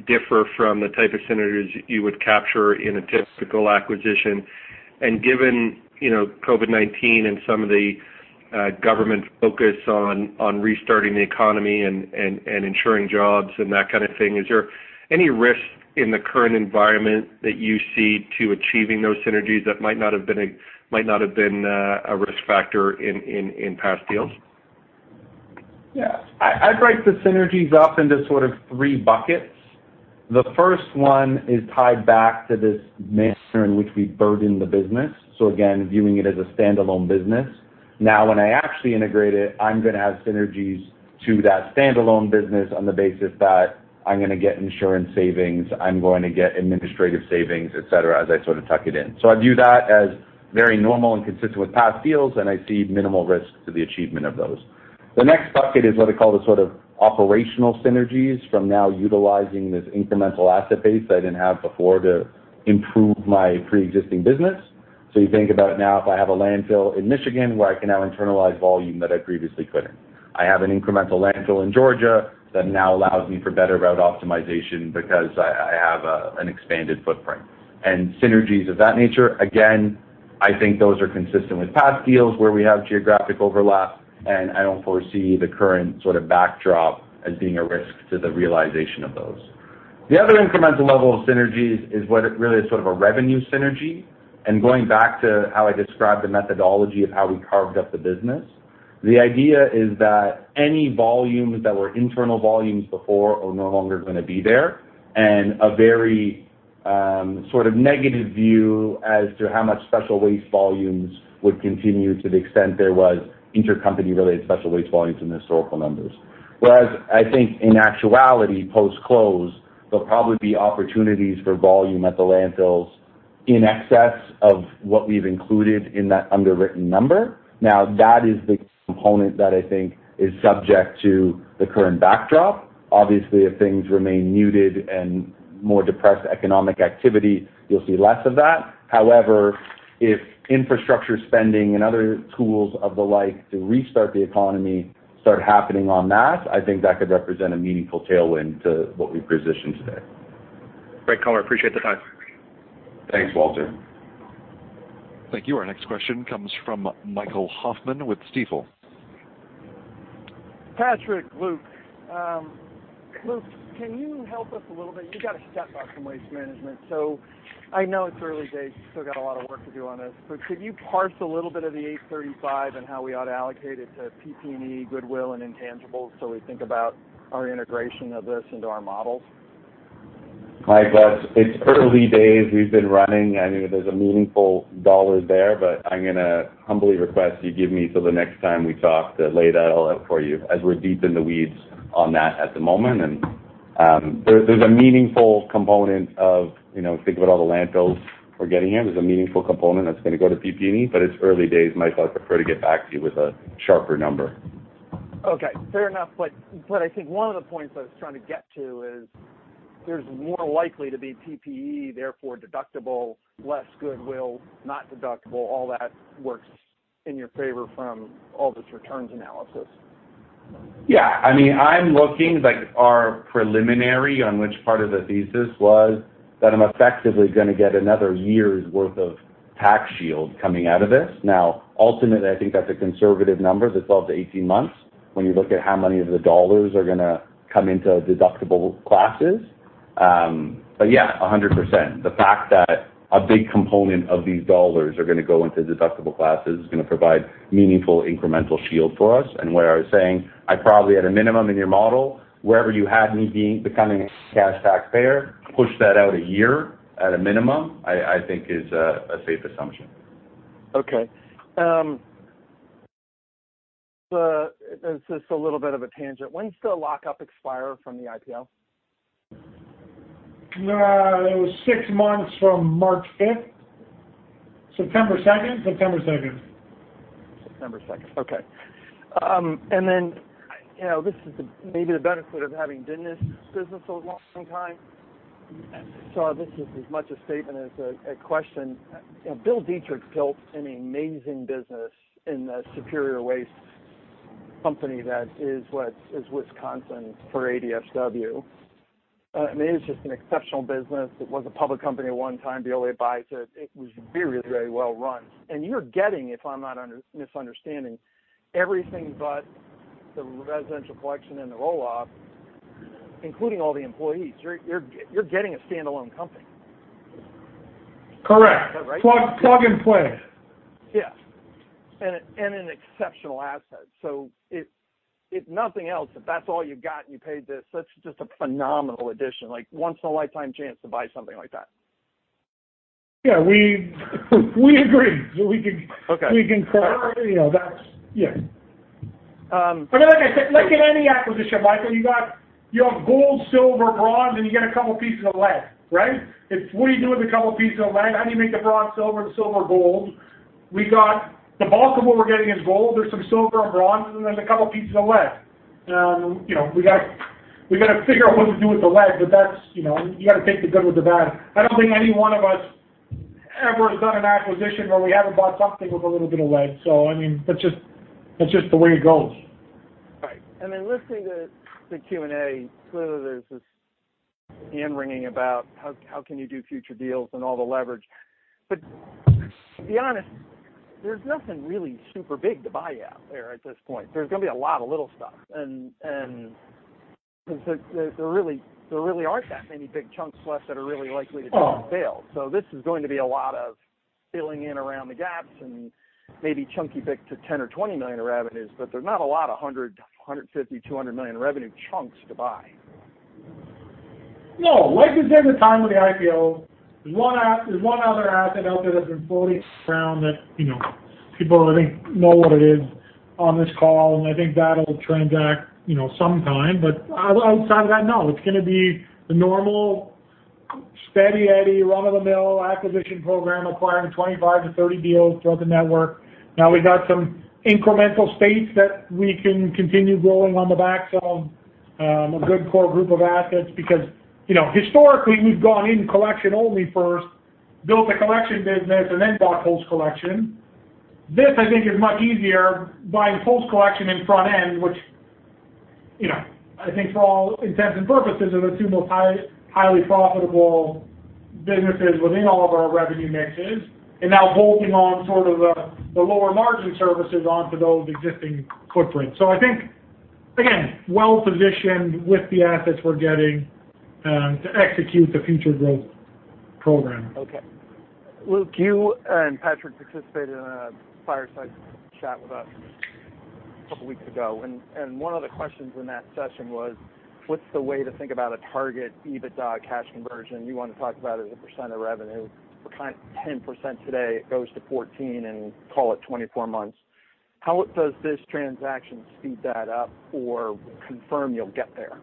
differ from the type of synergies you would capture in a typical acquisition? Given COVID-19 and some of the government focus on restarting the economy and ensuring jobs and that kind of thing, is there any risk in the current environment that you see to achieving those synergies that might not have been a risk factor in past deals? Yeah. I break the synergies up into sort of three buckets. The first one is tied back to this manner in which we burdened the business. Again, viewing it as a standalone business. Now when I actually integrate it, I'm going to add synergies to that standalone business on the basis that I'm going to get insurance savings, I'm going to get administrative savings, et cetera, as I sort of tuck it in. I view that as very normal and consistent with past deals, and I see minimal risk to the achievement of those. The next bucket is what I call the sort of operational synergies from now utilizing this incremental asset base that I didn't have before to improve my preexisting business. You think about now if I have a landfill in Michigan where I can now internalize volume that I previously couldn't. I have an incremental landfill in Georgia that now allows me for better route optimization because I have an expanded footprint. Synergies of that nature, again, I think those are consistent with past deals where we have geographic overlap, and I don't foresee the current sort of backdrop as being a risk to the realization of those. The other incremental level of synergies is what really is sort of a revenue synergy, and going back to how I described the methodology of how we carved up the business. The idea is that any volumes that were internal volumes before are no longer going to be there, and a very sort of negative view as to how much special waste volumes would continue to the extent there was intercompany-related special waste volumes in historical numbers. I think in actuality, post-close, there'll probably be opportunities for volume at the landfills in excess of what we've included in that underwritten number. That is the component that I think is subject to the current backdrop. Obviously, if things remain muted and more depressed economic activity, you'll see less of that. However, if infrastructure spending and other tools of the like to restart the economy start happening en masse, I think that could represent a meaningful tailwind to what we've positioned today. Great color. Appreciate the time. Thanks, Walter. Thank you. Our next question comes from Michael Hoffman with Stifel. Patrick, Luke. Can you help us a little bit? You got a step-up from Waste Management, I know it's early days. You still got a lot of work to do on this, could you parse a little bit of the 835 and how we ought to allocate it to PPE, goodwill, and intangibles so we think about our integration of this into our models? Mike, it's early days. We've been running I know there's a meaningful dollar there, but I'm going to humbly request you give me till the next time we talk to lay that all out for you, as we're deep in the weeds on that at the moment. There's a meaningful component of, think about all the landfills we're getting here. There's a meaningful component that's going to go to PPE, but it's early days, Mike. I'd prefer to get back to you with a sharper number. Okay. Fair enough, but I think one of the points I was trying to get to is there's more likely to be PPE, therefore deductible, less goodwill, not deductible. All that works in your favor from all this returns analysis. I'm looking, like our preliminary on which part of the thesis was that I'm effectively going to get another year's worth of tax shield coming out of this. Ultimately, I think that's a conservative number, that 12-18 months, when you look at how many of the dollars are going to come into deductible classes. Yeah, 100%. The fact that a big component of these dollars are going to go into deductible classes is going to provide meaningful incremental shield for us. Where I was saying, I probably at a minimum in your model, wherever you had me becoming a cash taxpayer, push that out a year at a minimum, I think is a safe assumption. Okay. This is a little bit of a tangent. When does the lock-up expire from the IPO? It was six months from March 5th. September 2nd? September 2nd. September 2nd. Okay. This is maybe the benefit of having been in this business a long time. This is as much a statement as a question. Bill Dietrich built an amazing business in the Superior Services company that is Wisconsin for ADSW. I mean, it's just an exceptional business. It was a public company at one time, Billy buys it. It was very well-run. You're getting, if I'm not misunderstanding, everything but the residential collection and the roll-off, including all the employees. You're getting a standalone company. Correct. Is that right? Plug and play. Yeah. An exceptional asset. If nothing else, if that's all you got and you paid this, that's just a phenomenal addition, like once in a lifetime chance to buy something like that. Yeah, we agree. Okay. We concur. That's Yeah. Like I said, like in any acquisition, Michael, you have gold, silver, bronze, and you got a couple pieces of lead, right? What do you do with a couple pieces of lead? How do you make the bronze silver and the silver gold? The bulk of what we're getting is gold. There's some silver and bronze, and then there's a couple pieces of lead. We've got to figure out what to do with the lead. That's You got to take the good with the bad. I don't think any one of us ever done an acquisition where we haven't bought something with a little bit of lead. That's just the way it goes. Right. Then listening to the Q&A, clearly there's this hand-wringing about how can you do future deals and all the leverage. To be honest, there's nothing really super big to buy out there at this point. There's going to be a lot of little stuff, and there really aren't that many big chunks left that are really likely to change the scale. This is going to be a lot of filling in around the gaps and maybe chunky bits of 10 million or 20 million of revenues, but there's not a lot of 100 million, 150 million, 200 million revenue chunks to buy. No. Like you said at the time of the IPO, there's one other asset out there that's been floating around that people, I think, know what it is on this call, and I think that'll transact sometime. Outside of that, no. It's going to be the normal steady Eddie, run-of-the-mill acquisition program acquiring 25 to 30 deals throughout the network. Now we've got some incremental space that we can continue growing on the back of a good core group of assets because historically, we've gone in collection only first, built the collection business, and then bought post collection. This, I think, is much easier buying post collection and front end, which I think for all intents and purposes are the two most highly profitable businesses within all of our revenue mixes. Now bolting on sort of the lower margin services onto those existing footprints. I think, again, well-positioned with the assets we're getting to execute the future growth program. Okay. Luke, you and Patrick participated in a fireside chat with us a couple weeks ago, and one of the questions in that session was, what's the way to think about a target EBITDA cash conversion? You want to talk about it as a percent of revenue. We're kind of 10% today. It goes to 14% and call it 24 months. How does this transaction speed that up or confirm you'll get there?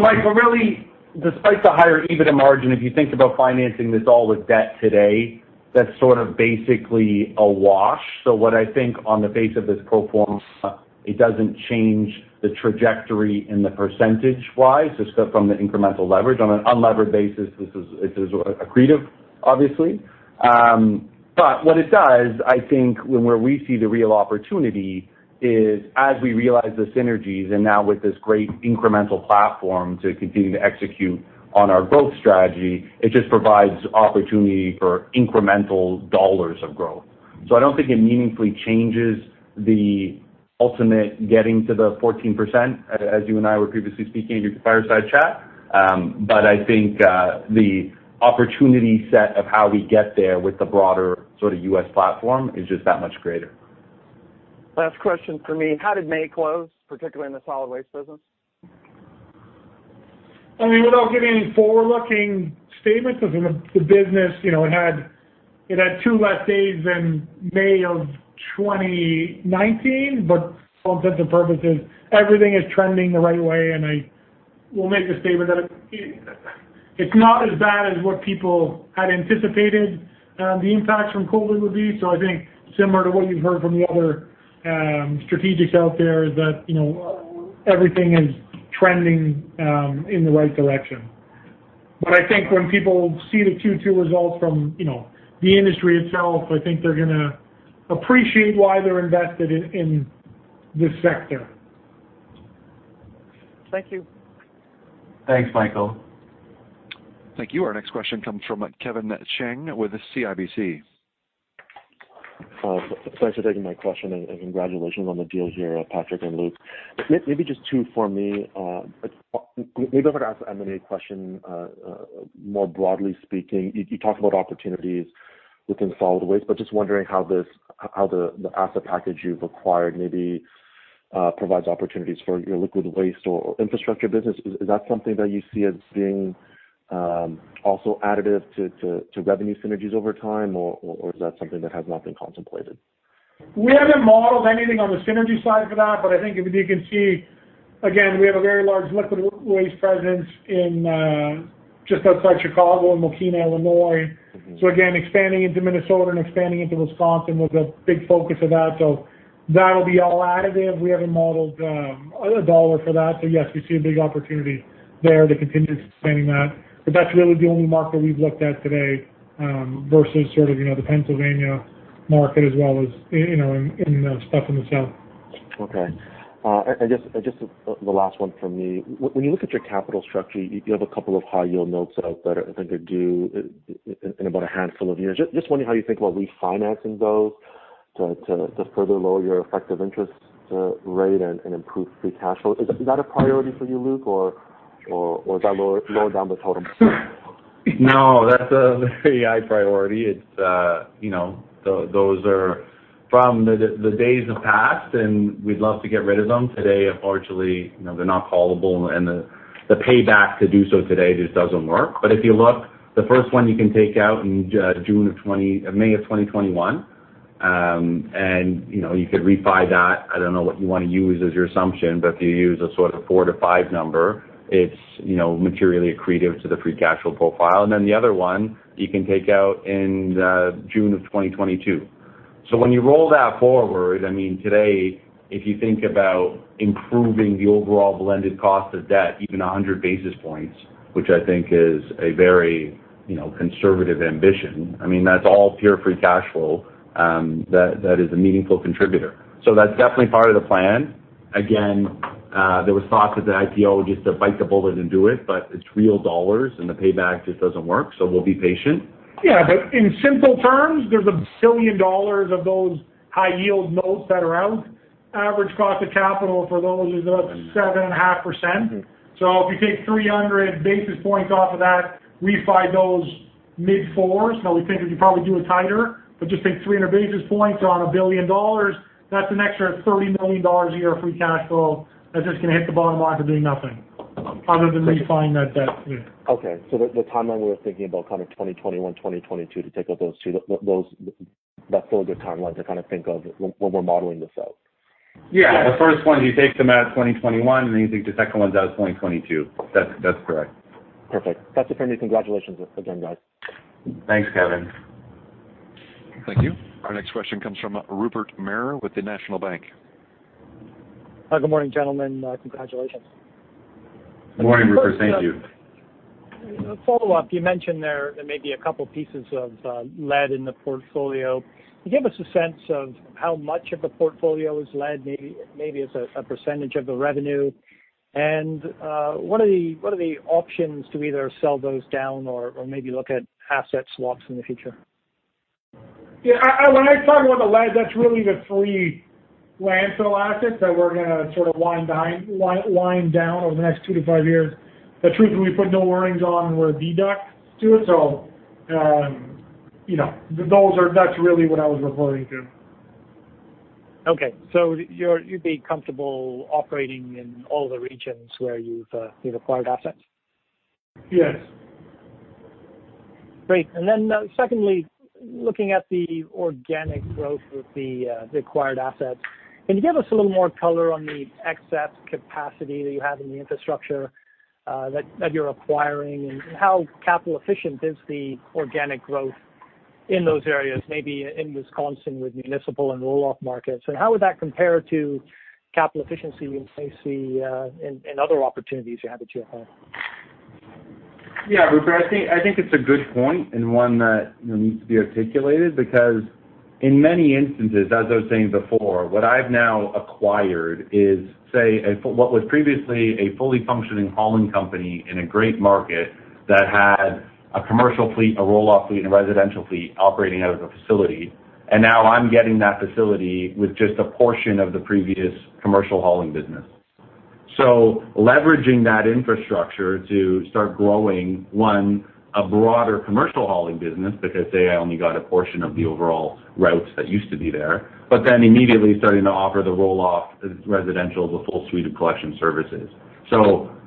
Mike, really, despite the higher EBITDA margin, if you think about financing this all with debt today, that's sort of basically a wash. What I think on the face of this pro forma, it doesn't change the trajectory in the percentage-wise, just from the incremental leverage. On an unlevered basis, this is accretive, obviously. What it does, I think where we see the real opportunity is as we realize the synergies and now with this great incremental platform to continue to execute on our growth strategy, it just provides opportunity for incremental dollars of growth. I don't think it meaningfully changes the ultimate getting to the 14%, as you and I were previously speaking at your fireside chat. I think the opportunity set of how we get there with the broader U.S. platform is just that much greater. Last question from me. How did May close, particularly in the solid waste business? Without giving any forward-looking statements, the business, it had two less days than May of 2019, but for all intents and purposes, everything is trending the right way, and I will make the statement that it's not as bad as what people had anticipated the impacts from COVID would be. I think similar to what you've heard from the other strategics out there is that everything is trending in the right direction. I think when people see the Q2 results from the industry itself, I think they're going to appreciate why they're invested in this sector. Thank you. Thanks, Michael. Thank you. Our next question comes from Kevin Chiang with CIBC. Thanks for taking my question, and congratulations on the deal here, Patrick and Luke. Maybe just two for me. Maybe I'm going to ask an M&A question. More broadly speaking, you talked about opportunities within solid waste, but just wondering how the asset package you've acquired maybe provides opportunities for your liquid waste or infrastructure business. Is that something that you see as being also additive to revenue synergies over time, or is that something that has not been contemplated? We haven't modeled anything on the synergy side for that. I think if you can see, again, we have a very large liquid waste presence just outside Chicago in Mokena, Illinois. Again, expanding into Minnesota and expanding into Wisconsin was a big focus of that. That'll be all additive. We haven't modeled a dollar for that. Yes, we see a big opportunity there to continue expanding that, but that's really the only market we've looked at today versus sort of the Pennsylvania market as well as in the stuff in the South. Okay. Just the last one from me. When you look at your capital structure, you have a couple of high yield notes out that I think are due in about a handful of years. Just wondering how you think about refinancing those to further lower your effective interest rate and improve free cash flow. Is that a priority for you, Luke, or is that lower down the totem pole? No, that's a very high priority. Those are from the days of past, and we'd love to get rid of them. Today, unfortunately, they're not callable, and the payback to do so today just doesn't work. If you look, the first one you can take out in May of 2021. You could refi that. I don't know what you want to use as your assumption, but if you use a sort of four to five number, it's materially accretive to the free cash flow profile. The other one you can take out in June of 2022. When you roll that forward, today, if you think about improving the overall blended cost of debt, even 100 basis points, which I think is a very conservative ambition, that's all pure free cash flow. That is a meaningful contributor. That's definitely part of the plan. Again, there was thoughts at the IPO just to bite the bullet and do it, but it's real dollars and the payback just doesn't work, so we'll be patient. Yeah. In simple terms, there's 1 billion dollars of those high-yield notes that are out. Average cost of capital for those is about 7.5%. If you take 300 basis points off of that, refi those mid fours. We think we could probably do it tighter, just take 300 basis points on 1 billion dollars. That's an extra 30 million dollars a year of free cash flow that's just going to hit the bottom line for doing nothing other than refinancing that debt. Okay. The timeline we were thinking about kind of 2021, 2022, to take out those two. That feels a good timeline to think of when we're modeling this out. Yeah. The first one, you take them out 2021, and then you take the second ones out 2022. That's correct. Perfect. That's it for me. Congratulations again, guys. Thanks, Kevin. Thank you. Our next question comes from Rupert Merer with the National Bank. Good morning, gentlemen. Congratulations. Good morning, Rupert. Thank you. A follow-up. You mentioned there may be a couple pieces of lead in the portfolio. Can you give us a sense of how much of the portfolio is lead, maybe as a percentage of the revenue? What are the options to either sell those down or maybe look at asset swaps in the future? Yeah. When I talk about the lead, that's really the three landfill assets that we're going to sort of wind down over the next two to five years. The truth is, we put no earnings on and we're dilutive to it. That's really what I was referring to. Okay. You'd be comfortable operating in all the regions where you've acquired assets? Yes. Great. Secondly, looking at the organic growth with the acquired assets, can you give us a little more color on the excess capacity that you have in the infrastructure that you're acquiring? How capital efficient is the organic growth in those areas, maybe in Wisconsin with municipal and roll-off markets? How would that compare to CapEx efficiency in, say, other opportunities you have at GFL? Yeah, Rupert. I think it's a good point and one that needs to be articulated because in many instances, as I was saying before, what I've now acquired is, say, what was previously a fully functioning hauling company in a great market that had a commercial fleet, a roll-off fleet, and a residential fleet operating out of the facility. And now I'm getting that facility with just a portion of the previous commercial hauling business. Leveraging that infrastructure to start growing, one, a broader commercial hauling business, because, say, I only got a portion of the overall routes that used to be there, but then immediately starting to offer the roll-off residential, the full suite of collection services.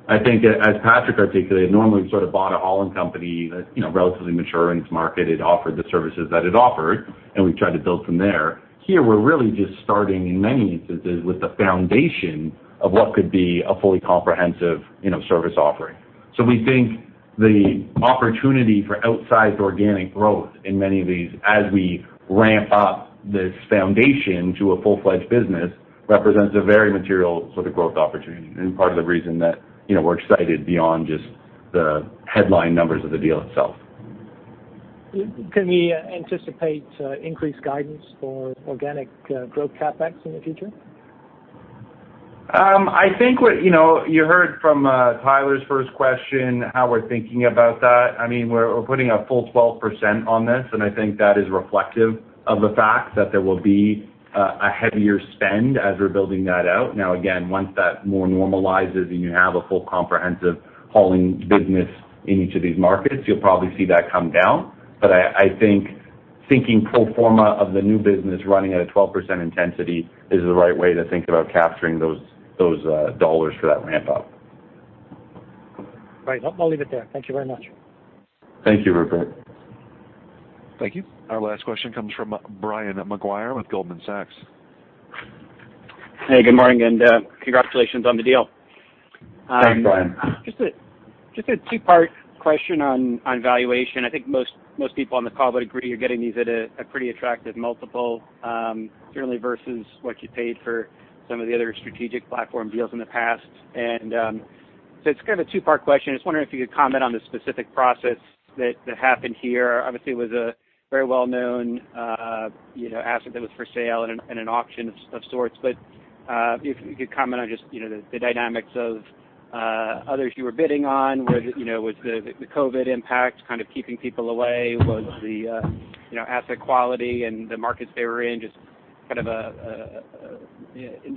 I think as Patrick articulated, normally we've bought a hauling company that's relatively mature in its market. It offered the services that it offered, and we tried to build from there. Here, we're really just starting in many instances with the foundation of what could be a fully comprehensive service offering. We think the opportunity for outsized organic growth in many of these as we ramp up this foundation to a full-fledged business represents a very material sort of growth opportunity and part of the reason that we're excited beyond just the headline numbers of the deal itself. Can we anticipate increased guidance for organic growth CapEx in the future? You heard from Tyler’s first question how we’re thinking about that. We’re putting a full 12% on this. I think that is reflective of the fact that there will be a heavier spend as we’re building that out. Again, once that more normalizes and you have a full comprehensive hauling business in each of these markets, you’ll probably see that come down. I think thinking pro forma of the new business running at a 12% intensity is the right way to think about capturing those dollars for that ramp up. Right. I'll leave it there. Thank you very much.F Thank you, Rupert. Thank you. Our last question comes from Brian Maguire with Goldman Sachs. Hey, good morning, and congratulations on the deal. Thanks, Brian. Just a two-part question on valuation. I think most people on the call would agree you're getting these at a pretty attractive multiple, certainly versus what you paid for some of the other strategic platform deals in the past. It's kind of a two-part question. I was wondering if you could comment on the specific process that happened here. Obviously, it was a very well-known asset that was for sale and an auction of sorts. If you could comment on just the dynamics of others you were bidding on. Was the COVID impact kind of keeping people away? Was the asset quality and the markets they were in just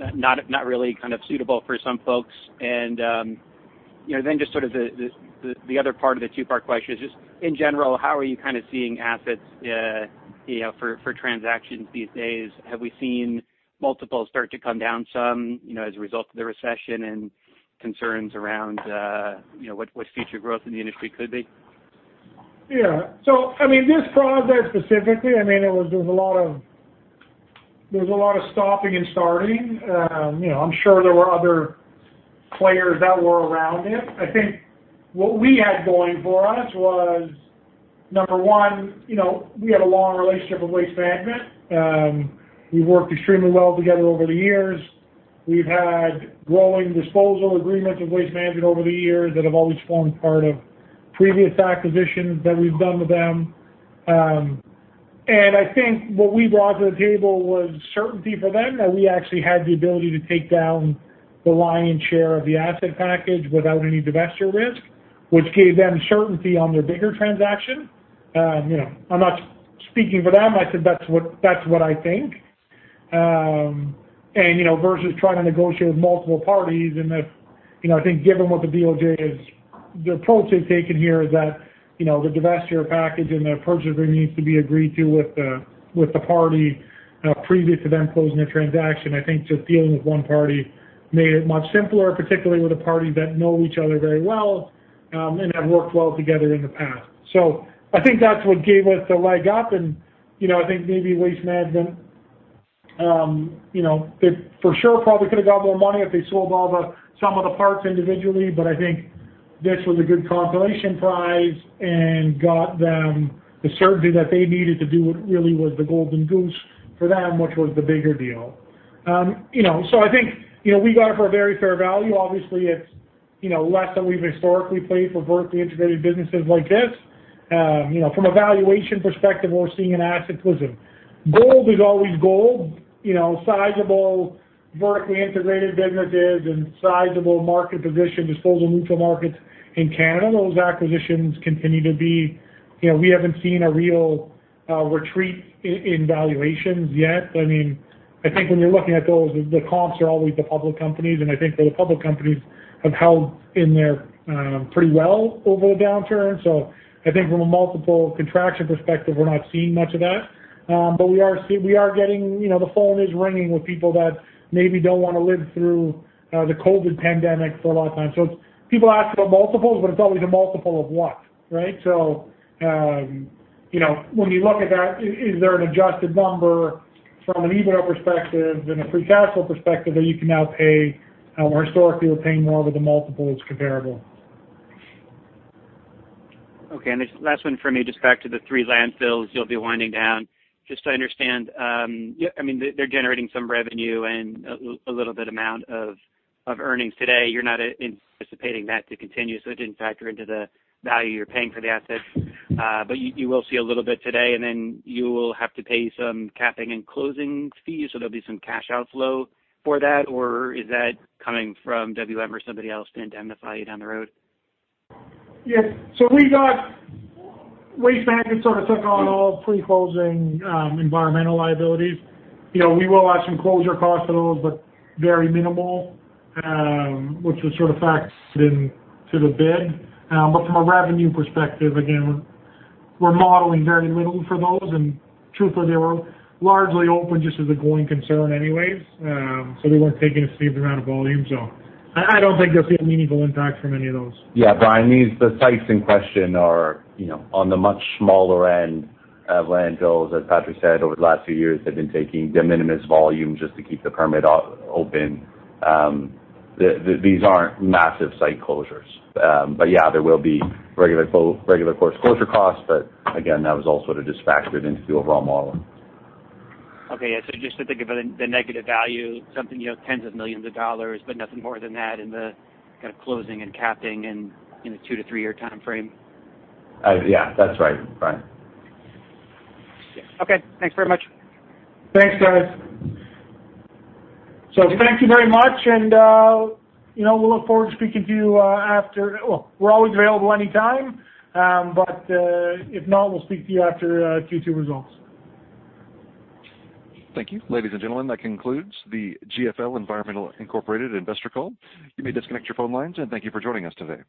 not really suitable for some folks? Just sort of the other part of the two-part question is just in general, how are you seeing assets for transactions these days? Have we seen multiples start to come down some as a result of the recession and concerns around what future growth in the industry could be? Yeah. This process specifically, there was a lot of stopping and starting. I'm sure there were other players that were around it. I think what we had going for us was, number one, we had a long relationship with Waste Management. We've worked extremely well together over the years. We've had growing disposal agreements with Waste Management over the years that have always formed part of previous acquisitions that we've done with them. And I think what we brought to the table was certainty for them that we actually had the ability to take down the lion's share of the asset package without any divestiture risk, which gave them certainty on their bigger transaction. I'm not speaking for them. I said that's what I think. Versus trying to negotiate with multiple parties and I think given what the DOJ has, the approach they've taken here is that the divestiture package and the purchase agreement needs to be agreed to with the party previous to them closing their transaction. I think just dealing with one party made it much simpler, particularly with a party that know each other very well, and have worked well together in the past. I think that's what gave us a leg up, and I think maybe Waste Management, they for sure probably could've got more money if they sold some of the parts individually, but I think this was a good consolation prize and got them the certainty that they needed to do what really was the golden goose for them, which was the bigger deal. I think, we got it for a very fair value. Obviously it's less than we've historically paid for vertically integrated businesses like this. From a valuation perspective, we're seeing an asset acquisition. Gold is always gold. Sizable, vertically integrated businesses and sizable market position, disposal municipal markets in Canada. We haven't seen a real retreat in valuations yet. I think when you're looking at those, the comps are always the public companies, and I think that the public companies have held in there pretty well over the downturn. I think from a multiple contraction perspective, we're not seeing much of that. The phone is ringing with people that maybe don't want to live through the COVID pandemic for a lot of time. People ask about multiples, but it's always a multiple of what, right? When you look at that, is there an adjusted number from an EBITDA perspective and a free cash flow perspective that you can now pay, or historically you're paying more with a multiple that's comparable. This last one from me, just back to the three landfills you'll be winding down. Just so I understand, they're generating some revenue and a little bit amount of earnings today. You're not anticipating that to continue, so it didn't factor into the value you're paying for the assets. You will see a little bit today, and then you will have to pay some capping and closing fees, so there'll be some cash outflow for that? Is that coming from WM or somebody else to indemnify you down the road? We got Waste Management sort of took on all pre-closing environmental liabilities. We will have some closure costs to those, but very minimal, which was sort of factored into the bid. From a revenue perspective, again, we're modeling very little for those, and truthfully, they were largely open just as a going concern anyways. They weren't taking a significant amount of volume. I don't think you'll see a meaningful impact from any of those. Yeah. Brian, the sites in question are on the much smaller end of landfills, as Patrick said. Over the last few years, they've been taking de minimis volume just to keep the permit open. These aren't massive site closures. Yeah, there will be regular course closure costs, but again, that was all sort of just factored into the overall model. Okay. Yeah. Just to think of the negative value, something tens of millions of CAD, but nothing more than that in the kind of closing and capping in the two-to-three year timeframe. Yeah. That's right, Brian. Okay. Thanks very much. Thanks, guys. Thank you very much, and we'll look forward to speaking to you after. We're always available anytime. If not, we'll speak to you after Q2 results. Thank you. Ladies and gentlemen, that concludes the GFL Environmental Incorporated investor call. You may disconnect your phone lines, and thank you for joining us today.